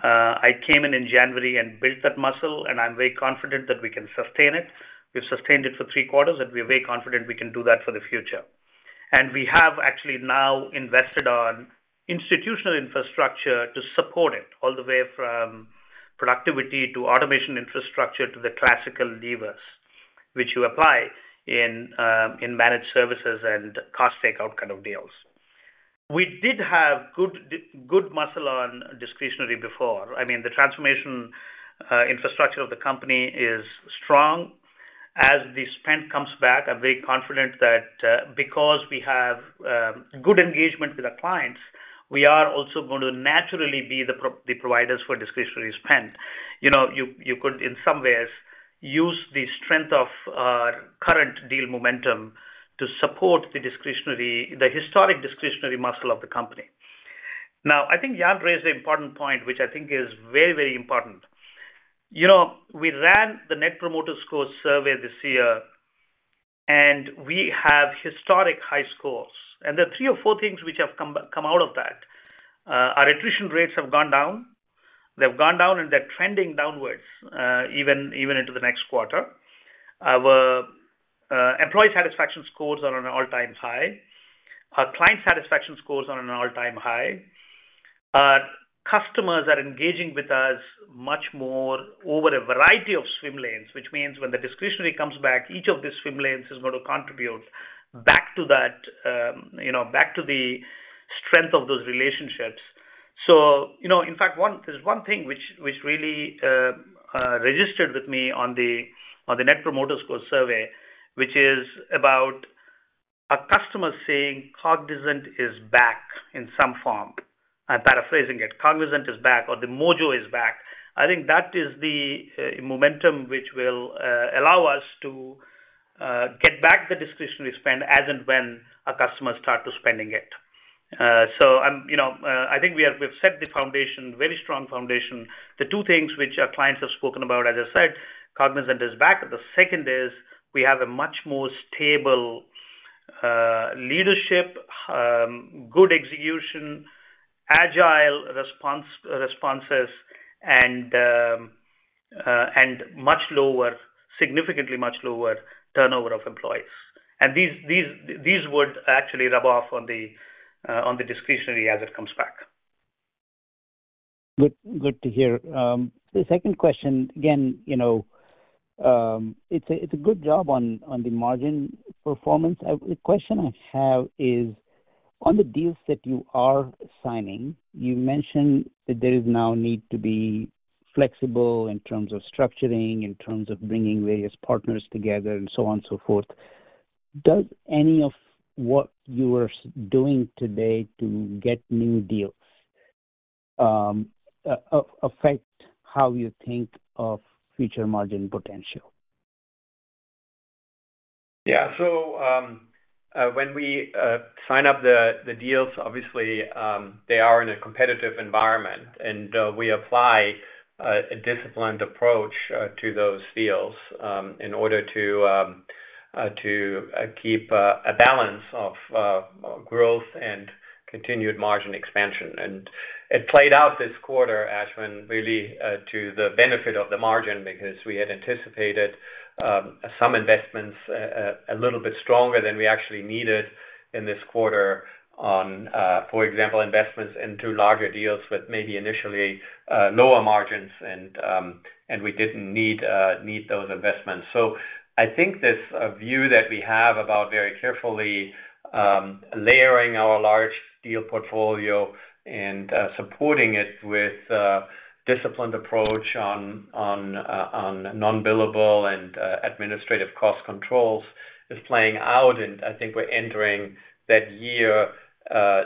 I came in in January and built that muscle, and I'm very confident that we can sustain it. We've sustained it for three quarters, and we're very confident we can do that for the future. And we have actually now invested on institutional infrastructure to support it, all the way from productivity to automation infrastructure to the classical levers, which you apply in in managed services and cost takeout kind of deals. We did have good muscle on discretionary before. I mean, the transformation infrastructure of the company is strong. As the spend comes back, I'm very confident that because we have good engagement with our clients, we are also going to naturally be the providers for discretionary spend. You know, you could, in some ways, use the strength of our current deal momentum to support the discretionary, the historic discretionary muscle of the company. Now, I think Jan raised an important point, which I think is very, very important. You know, we ran the Net Promoter Score survey this year, and we have historic high scores. And there are three or four things which have come back, come out of that. Our attrition rates have gone down. They've gone down, and they're trending downwards even into the next quarter. Our employee satisfaction scores are on an all-time high. Our client satisfaction scores are on an all-time high. Our customers are engaging with us much more over a variety of swim lanes, which means when the discretionary comes back, each of these swim lanes is going to contribute back to that, you know, back to the strength of those relationships. So, you know, in fact, one thing which really registered with me on the Net Promoter Score survey, which is about our customers saying, "Cognizant is back in some form." I'm paraphrasing it. "Cognizant is back, or the mojo is back." I think that is the momentum which will allow us to get back the discretionary spend as and when our customers start to spending it. So, I'm, you know, I think we have. We've set the foundation, very strong foundation. The two things which our clients have spoken about, as I said, Cognizant is back, and the second is we have a much more stable, leadership, good execution, agile response, responses, and, and much lower, significantly much lower turnover of employees. And these, these, these would actually rub off on the, on the discretionary as it comes back.... Good, good to hear. The second question, again, you know, it's a good job on the margin performance. The question I have is: on the deals that you are signing, you mentioned that there is now need to be flexible in terms of structuring, in terms of bringing various partners together and so on and so forth. Does any of what you are doing today to get new deals, affect how you think of future margin potential? Yeah. So, when we sign up the deals, obviously, they are in a competitive environment, and we apply a disciplined approach to those deals in order to keep a balance of growth and continued margin expansion. It played out this quarter, Ashwin, really to the benefit of the margin, because we had anticipated some investments a little bit stronger than we actually needed in this quarter, for example, investments into larger deals with maybe initially lower margins, and we didn't need those investments. So I think this view that we have about very carefully layering our large deal portfolio and supporting it with a disciplined approach on non-billable and administrative cost controls is playing out, and I think we're entering that year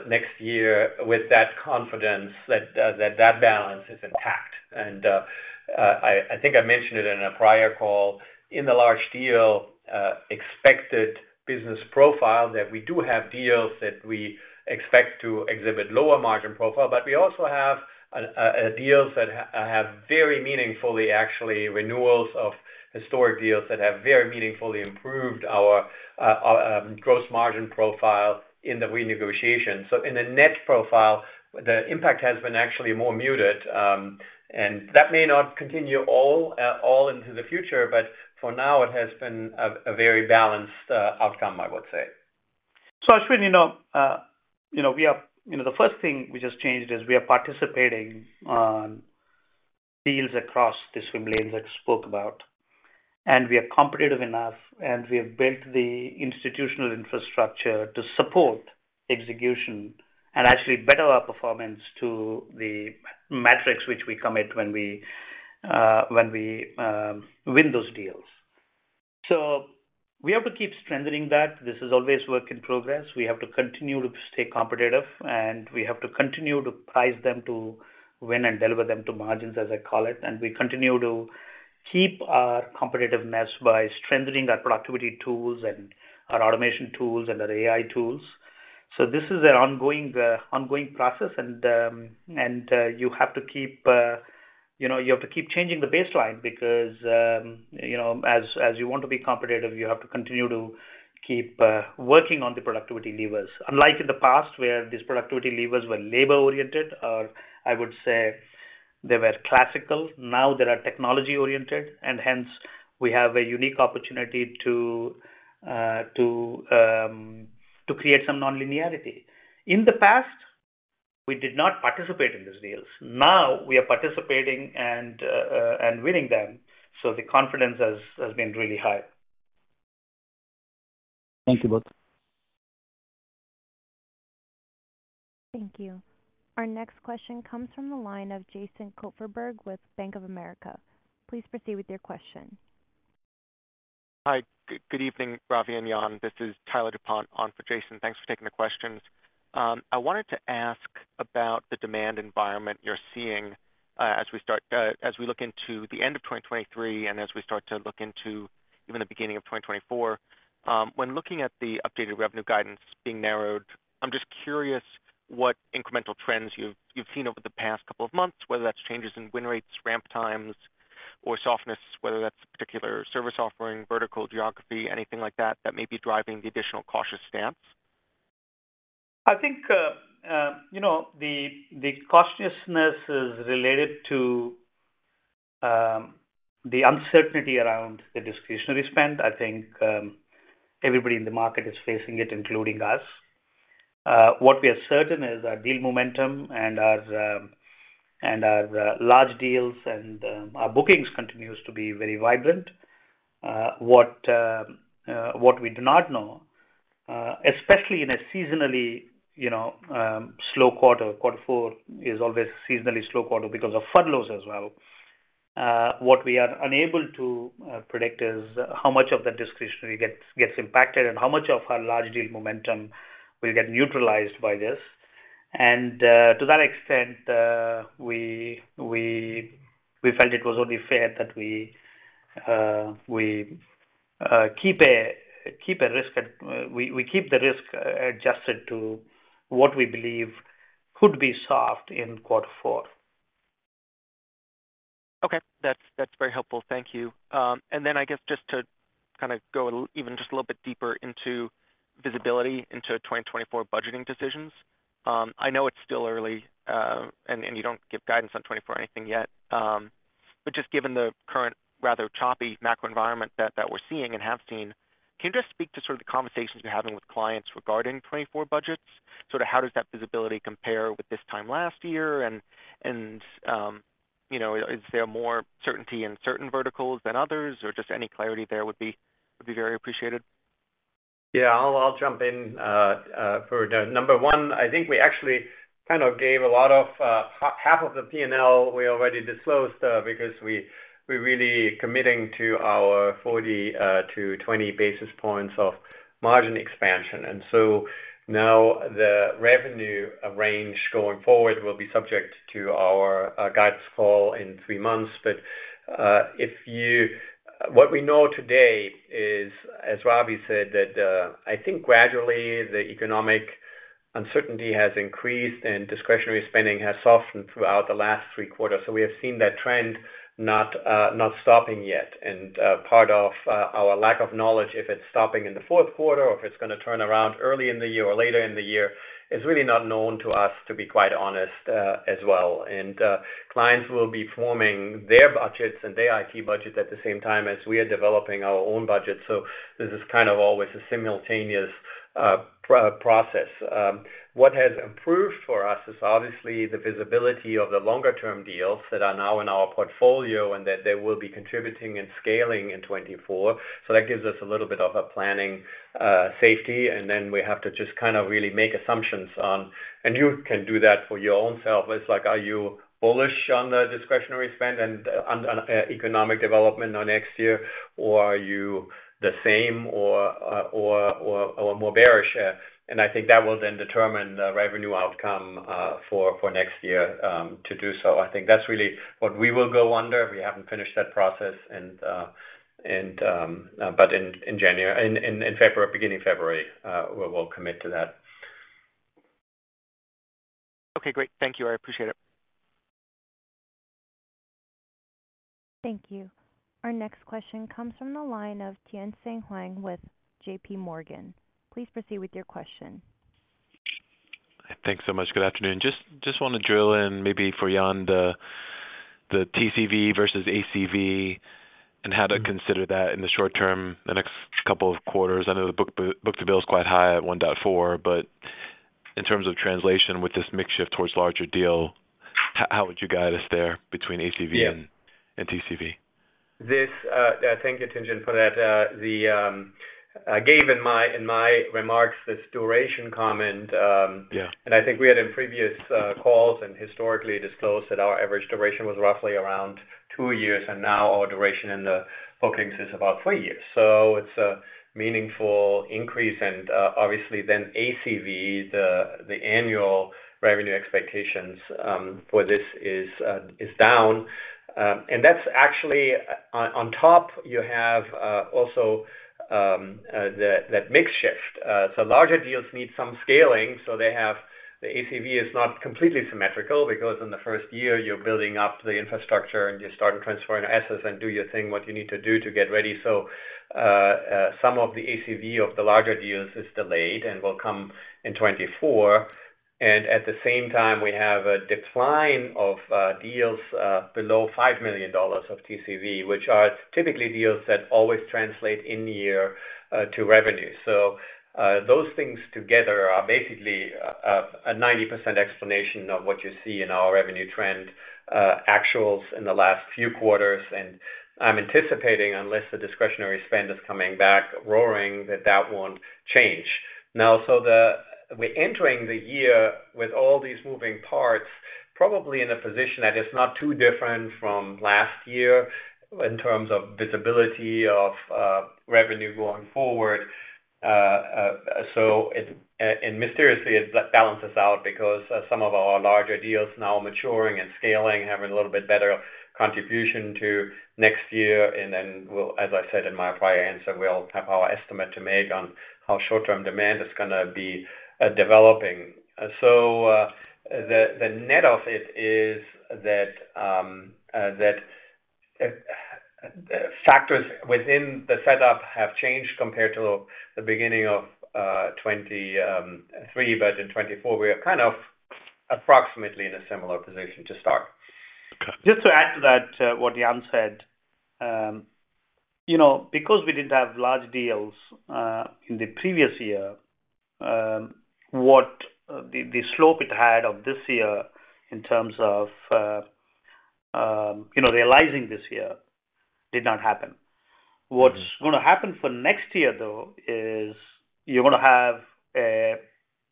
next year with that confidence that that balance is intact. And I think I mentioned it in a prior call, in the large deal expected business profile, that we do have deals that we expect to exhibit lower margin profile, but we also have deals that have very meaningfully, actually, renewals of historic deals that have very meaningfully improved our gross margin profile in the renegotiation. So in the net profile, the impact has been actually more muted. And that may not continue all into the future, but for now, it has been a very balanced outcome, I would say. So Ashwin, you know, you know, the first thing we just changed is we are participating on deals across the swim lanes I spoke about, and we are competitive enough, and we have built the institutional infrastructure to support execution and actually better our performance to the metrics which we commit when we win those deals. So we have to keep strengthening that. This is always work in progress. We have to continue to stay competitive, and we have to continue to price them to win and deliver them to margins, as I call it. And we continue to keep our competitiveness by strengthening our productivity tools and our automation tools and our AI tools. So this is an ongoing process, and, you have to keep, you know, you have to keep changing the baseline because, you know, as you want to be competitive, you have to continue to keep working on the productivity levers. Unlike in the past, where these productivity levers were labor-oriented, or I would say they were classical, now they are technology-oriented, and hence, we have a unique opportunity to create some nonlinearity. In the past, we did not participate in these deals. Now we are participating and winning them, so the confidence has been really high. Thank you both. Thank you. Our next question comes from the line of Jason Kupferberg with Bank of America. Please proceed with your question. Hi. Good evening, Ravi and Jan. This is Tyler Dupont on for Jason. Thanks for taking the questions. I wanted to ask about the demand environment you're seeing, as we look into the end of 2023 and as we start to look into even the beginning of 2024. When looking at the updated revenue guidance being narrowed, I'm just curious what incremental trends you've seen over the past couple of months, whether that's changes in win rates, ramp times, or softness, whether that's a particular service offering, vertical geography, anything like that, that may be driving the additional cautious stance. I think, you know, the cautiousness is related to the uncertainty around the discretionary spend. I think, everybody in the market is facing it, including us. What we are certain is our deal momentum and our large deals and our bookings continues to be very vibrant. What we do not know, especially in a seasonally, you know, slow quarter, quarter four is always a seasonally slow quarter because of furloughs as well. What we are unable to predict is how much of that discretionary gets impacted and how much of our large deal momentum will get neutralized by this. To that extent, we felt it was only fair that we keep the risk adjusted to what we believe could be soft in quarter four. Okay. That's, that's very helpful. Thank you. And then I guess just to kind of go even just a little bit deeper into visibility into 2024 budgeting decisions. I know it's still early, and you don't give guidance on 2024 anything yet. But just given the current rather choppy macro environment that, that we're seeing and have seen, can you just speak to sort of the conversations you're having with clients regarding 2024 budgets? Sort of how does that visibility compare with this time last year? And you know, is there more certainty in certain verticals than others, or just any clarity there would be, would be very appreciated. Yeah, I'll jump in. For the number one, I think we actually kind of gave a lot of half of the P&L we already disclosed, because we're really committing to our 40-20 basis points of margin expansion. And so now the revenue range going forward will be subject to our guidance call in three months. But if you-- what we know today is, as Ravi said, that I think gradually the economic uncertainty has increased and discretionary spending has softened throughout the last three quarters. So we have seen that trend not stopping yet. Part of our lack of knowledge, if it's stopping in the fourth quarter or if it's going to turn around early in the year or later in the year, is really not known to us, to be quite honest, as well. Clients will be forming their budgets and their IT budgets at the same time as we are developing our own budget. So this is kind of always a simultaneous process. What has improved for us is obviously the visibility of the longer-term deals that are now in our portfolio, and that they will be contributing and scaling in 2024. So that gives us a little bit of a planning safety, and then we have to just kind of really make assumptions on... And you can do that for your own self. It's like, are you bullish on the discretionary spend and on economic development on next year, or are you the same or more bearish? And I think that will then determine the revenue outcome for next year to do so. I think that's really what we will go under. We haven't finished that process, but in February, beginning of February, we'll commit to that. Okay, great. Thank you. I appreciate it. Thank you. Our next question comes from the line of Tien-Tsin Huang with J.P. Morgan. Please proceed with your question. Thanks so much. Good afternoon. Just want to drill in maybe for you on the TCV versus ACV and how to consider that in the short term, the next couple of quarters. I know the book-to-bill is quite high at 1.4, but in terms of translation with this mix shift towards larger deal, how would you guide us there between ACV and TCV? Thank you, Tien-Tsin, for that. I gave in my remarks this duration comment. Yeah. I think we had in previous calls and historically disclosed that our average duration was roughly around two years, and now our duration in the bookings is about four years. So it's a meaningful increase. And obviously then ACV, the annual revenue expectations for this is down. And that's actually, on top, you have also that mix shift. So larger deals need some scaling, so they have the ACV is not completely symmetrical because in the first year, you're building up the infrastructure and you're starting transferring assets and do your thing, what you need to do to get ready. So some of the ACV of the larger deals is delayed and will come in 2024. And at the same time, we have a decline of deals below $5 million of TCV, which are typically deals that always translate in the year to revenue. So those things together are basically a 90% explanation of what you see in our revenue trend actuals in the last few quarters. And I'm anticipating, unless the discretionary spend is coming back roaring, that that won't change. Now, so we're entering the year with all these moving parts, probably in a position that is not too different from last year in terms of visibility of revenue going forward. So it, and mysteriously, it balances out because some of our larger deals now maturing and scaling, having a little bit better contribution to next year. And then, as I said in my prior answer, we'll have our estimate to make on how short-term demand is going to be developing. So, the net of it is that factors within the setup have changed compared to the beginning of 2023, but in 2024, we are kind of approximately in a similar position to start. Got it. Just to add to that, what Jan said. You know, because we didn't have large deals in the previous year, the slope it had of this year in terms of, you know, realizing this year did not happen. What's going to happen for next year, though, is you're going to have a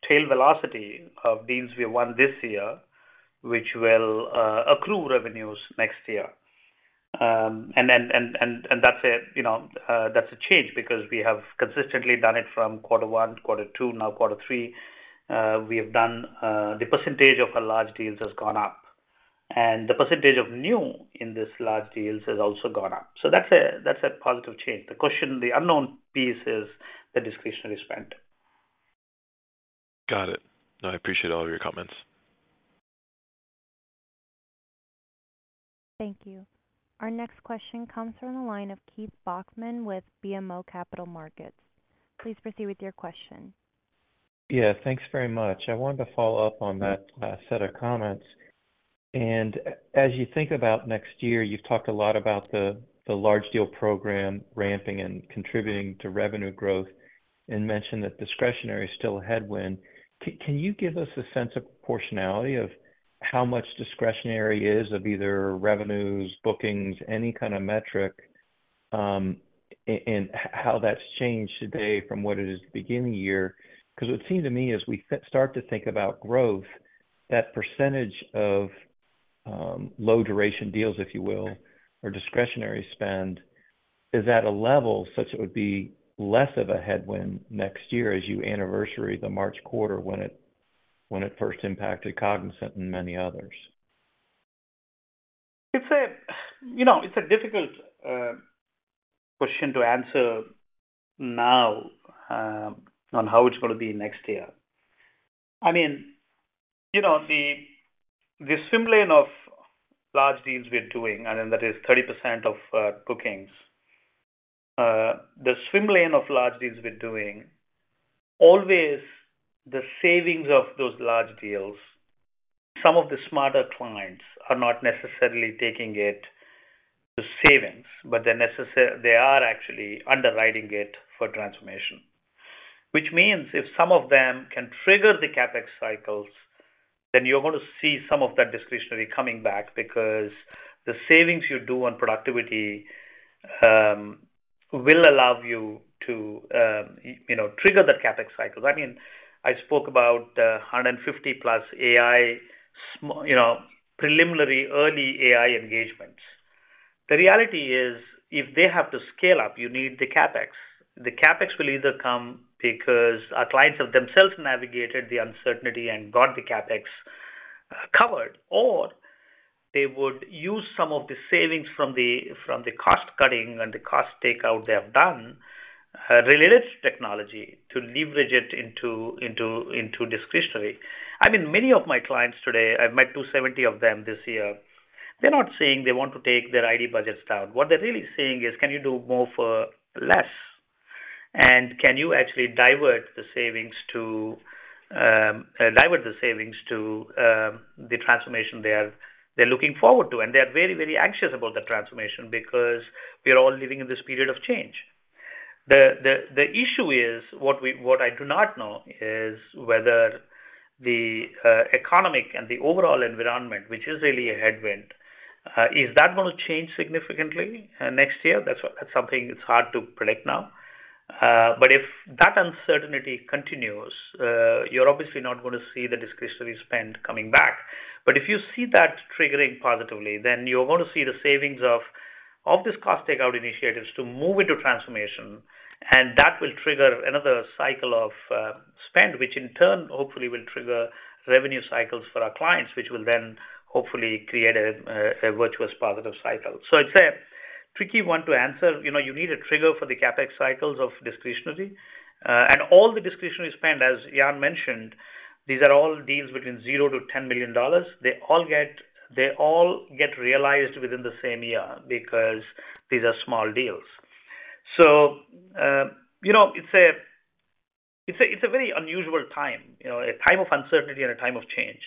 tail velocity of deals we won this year, which will accrue revenues next year. And then that's a, you know, that's a change because we have consistently done it from quarter one, quarter two, now quarter three. We have done, the percentage of our large deals has gone up, and the percentage of new in this large deals has also gone up. So that's a, that's a positive change. The question, the unknown piece is the discretionary spend. Got it. I appreciate all of your comments. Thank you. Our next question comes from the line of Keith Bachman with BMO Capital Markets. Please proceed with your question.... Yeah, thanks very much. I wanted to follow up on that set of comments. And as you think about next year, you've talked a lot about the large deal program ramping and contributing to revenue growth and mentioned that discretionary is still a headwind. Can you give us a sense of proportionality of how much discretionary is of either revenues, bookings, any kind of metric, and how that's changed today from what it is at the beginning of the year? Because it would seem to me as we start to think about growth, that percentage of low duration deals, if you will, or discretionary spend, is at a level such it would be less of a headwind next year as you anniversary the March quarter when it first impacted Cognizant and many others. It's a, you know, it's a difficult question to answer now on how it's going to be next year. I mean, you know, the swim lane of large deals we're doing, and then that is 30% of bookings. The swim lane of large deals we're doing, always the savings of those large deals, some of the smarter clients are not necessarily taking it to savings, but they're necessarily, they are actually underwriting it for transformation. Which means if some of them can trigger the CapEx cycles, then you're going to see some of that discretionary coming back because the savings you do on productivity will allow you to, you know, trigger the CapEx cycles. I mean, I spoke about 150+ AI, small, you know, preliminary early AI engagements. The reality is, if they have to scale up, you need the CapEx. The CapEx will either come because our clients have themselves navigated the uncertainty and got the CapEx covered, or they would use some of the savings from the cost cutting and the cost takeout they have done related to technology to leverage it into discretionary. I mean, many of my clients today, I've met 270 of them this year, they're not saying they want to take their IT budgets down. What they're really saying is, "Can you do more for less? And can you actually divert the savings to the transformation they're looking forward to?" And they are very, very anxious about that transformation because we are all living in this period of change. The issue is, what I do not know is whether the economic and the overall environment, which is really a headwind, is that going to change significantly next year? That's something that's hard to predict now. But if that uncertainty continues, you're obviously not going to see the discretionary spend coming back. But if you see that triggering positively, then you're going to see the savings of this cost takeout initiatives to move into transformation, and that will trigger another cycle of spend, which in turn, hopefully will trigger revenue cycles for our clients, which will then hopefully create a virtuous positive cycle. So it's a tricky one to answer. You know, you need a trigger for the CapEx cycles of discretionary. And all the discretionary spend, as Jan mentioned, these are all deals between $0-$10 million. They all get realized within the same year because these are small deals. So, you know, it's a very unusual time, you know, a time of uncertainty and a time of change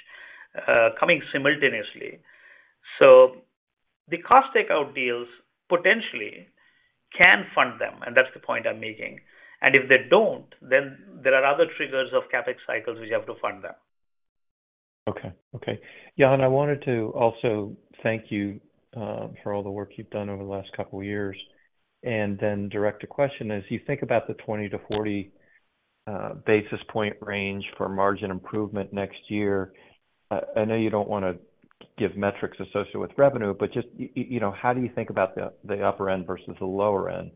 coming simultaneously. So the cost takeout deals potentially can fund them, and that's the point I'm making. And if they don't, then there are other triggers of CapEx cycles, which you have to fund them. Okay. Okay. Jan, I wanted to also thank you for all the work you've done over the last couple of years, and then direct a question. As you think about the 20-40 basis point range for margin improvement next year, I know you don't want to give metrics associated with revenue, but just you know, how do you think about the upper end versus the lower end?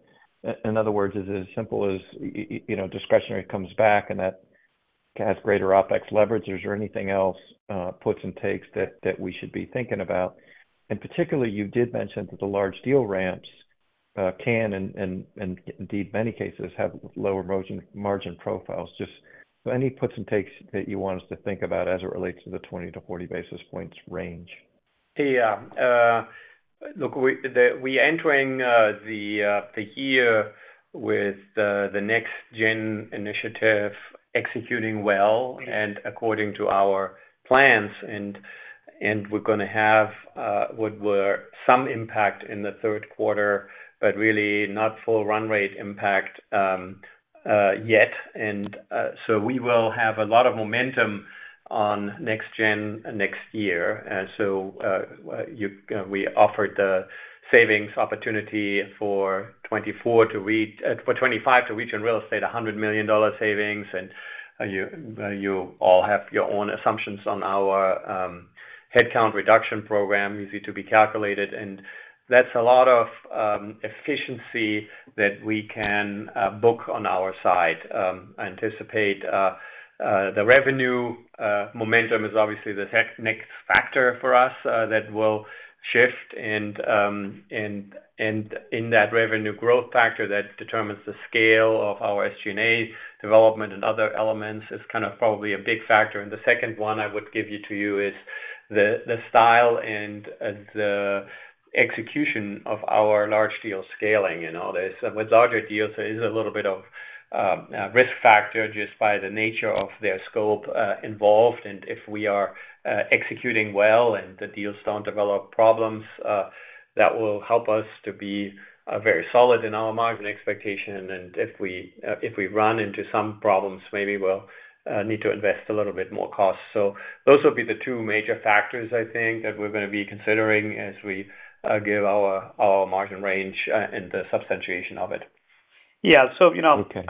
In other words, is it as simple as you know, discretionary comes back and that has greater OpEx leverage? Is there anything else, puts and takes, that we should be thinking about? And particularly, you did mention that the large deal ramps can and indeed, many cases have lower margin profiles. Just any puts and takes that you want us to think about as it relates to the 20-40 basis points range? Yeah, look, we-- we entering, the, the year with the, the NextGen initiative executing well and according to our plans, and we're gonna have, what were some impact in the third quarter, but really not full run rate impact yet. We will have a lot of momentum on NextGen next year. You-- we offered the savings opportunity for 2024 to reach... For 2025 to reach in real estate, $100 million savings, and you, you all have your own assumptions on our headcount reduction program, easy to be calculated. That's a lot of efficiency that we can book on our side. I anticipate the revenue momentum is obviously the nextGen factor for us, that will shift. in that revenue growth factor that determines the scale of our SG&A development and other elements is kind of probably a big factor. And the second one I would give you to you is the style and the execution of our large deal scaling and all this. With larger deals, there is a little bit of risk factor just by the nature of their scope involved. And if we are executing well and the deals don't develop problems, that will help us to be very solid in our margin expectation. And if we run into some problems, maybe we'll need to invest a little bit more cost. So those will be the two major factors I think that we're going to be considering as we give our margin range and the substantiation of it. Yeah. So, you know- Okay.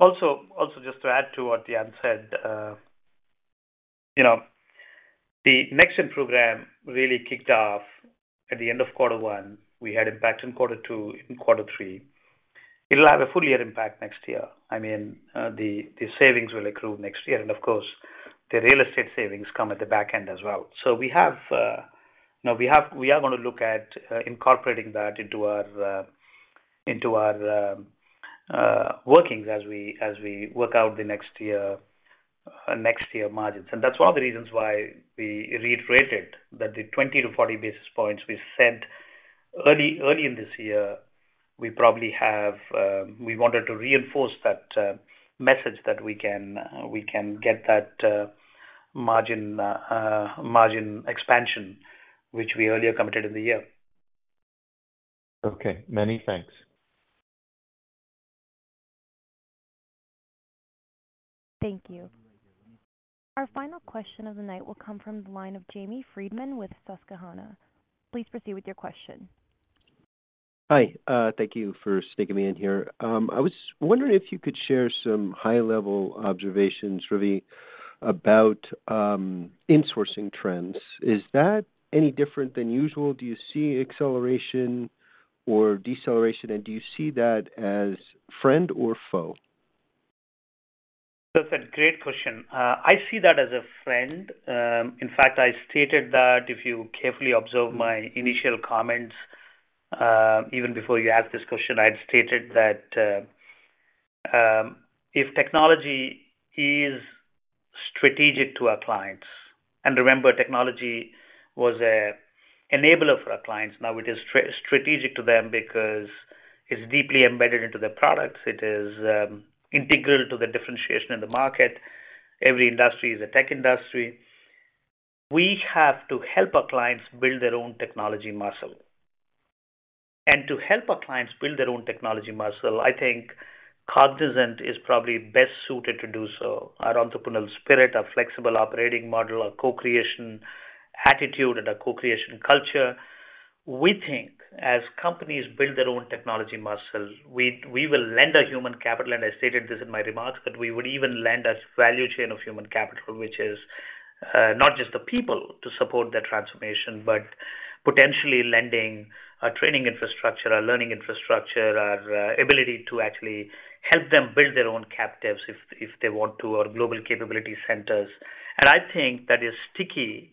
Also, just to add to what Jan said, you know, the NextGen program really kicked off at the end of quarter one. We had impact in quarter two, in quarter three. It'll have a full year impact next year. I mean, the savings will accrue next year, and of course, the real estate savings come at the back end as well. So we have now we are going to look at incorporating that into our workings as we work out the next year margins. That's one of the reasons why we reiterated that the 20-40 basis points we said early, early in this year, we probably have, we wanted to reinforce that, message that we can, we can get that, margin, margin expansion, which we earlier committed in the year. Okay. Many thanks. Thank you. Our final question of the night will come from the line of Jamie Friedman with Susquehanna. Please proceed with your question. Hi. Thank you for sticking me in here. I was wondering if you could share some high-level observations, Ravi, about insourcing trends. Is that any different than usual? Do you see acceleration or deceleration, and do you see that as friend or foe? That's a great question. I see that as a friend. In fact, I stated that if you carefully observe my initial comments, even before you asked this question, I'd stated that if technology is strategic to our clients, and remember, technology was an enabler for our clients. Now it is strategic to them because it's deeply embedded into their products. It is integral to the differentiation in the market. Every industry is a tech industry. We have to help our clients build their own technology muscle. And to help our clients build their own technology muscle, I think Cognizant is probably best suited to do so. Our entrepreneurial spirit, our flexible operating model, our co-creation attitude, and our co-creation culture. We think as companies build their own technology muscle, we, we will lend our human capital, and I stated this in my remarks, but we would even lend our value chain of human capital, which is, not just the people to support the transformation, but potentially lending our training infrastructure, our learning infrastructure, our, ability to actually help them build their own captives if, if they want to, or global capability centers. And I think that is sticky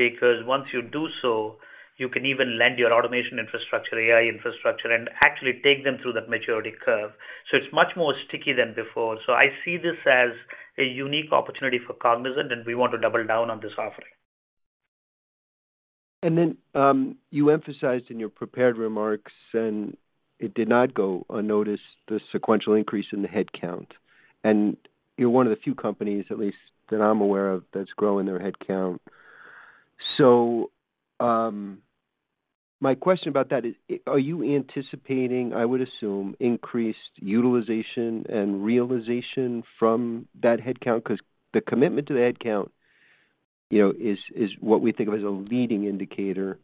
because once you do so, you can even lend your automation infrastructure, AI infrastructure, and actually take them through that maturity curve. So it's much more sticky than before. So I see this as a unique opportunity for Cognizant, and we want to double down on this offering. Then, you emphasized in your prepared remarks, and it did not go unnoticed, the sequential increase in the headcount. You're one of the few companies, at least that I'm aware of, that's growing their headcount. So, my question about that is: Are you anticipating, I would assume, increased utilization and realization from that headcount? Because the commitment to the headcount, you know, is what we think of as a leading indicator.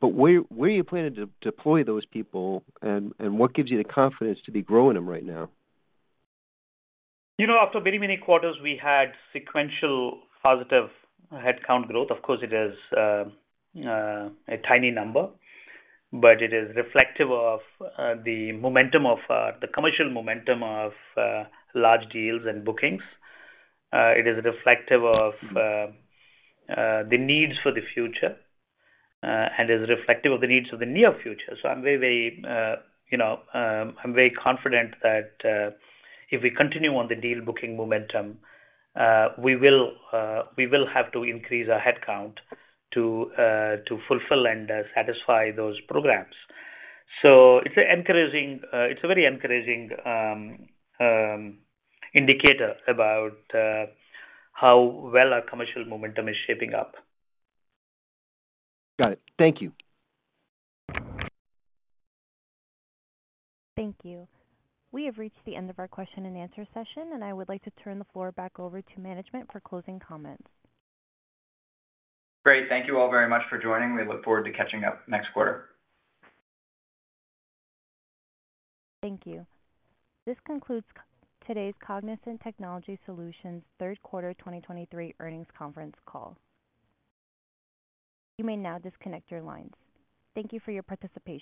But where are you planning to deploy those people, and what gives you the confidence to be growing them right now? You know, after many, many quarters, we had sequential positive headcount growth. Of course, it is a tiny number, but it is reflective of the momentum of the commercial momentum of large deals and bookings. It is reflective of the needs for the future and is reflective of the needs of the near future. So I'm very, very you know, I'm very confident that if we continue on the deal booking momentum, we will we will have to increase our headcount to to fulfill and satisfy those programs. So it's encouraging... It's a very encouraging indicator about how well our commercial momentum is shaping up. Got it. Thank you. Thank you. We have reached the end of our question and answer session, and I would like to turn the floor back over to management for closing comments. Great. Thank you all very much for joining. We look forward to catching up next quarter. Thank you. This concludes today's Cognizant Technology Solutions third quarter 2023 earnings conference call. You may now disconnect your lines. Thank you for your participation.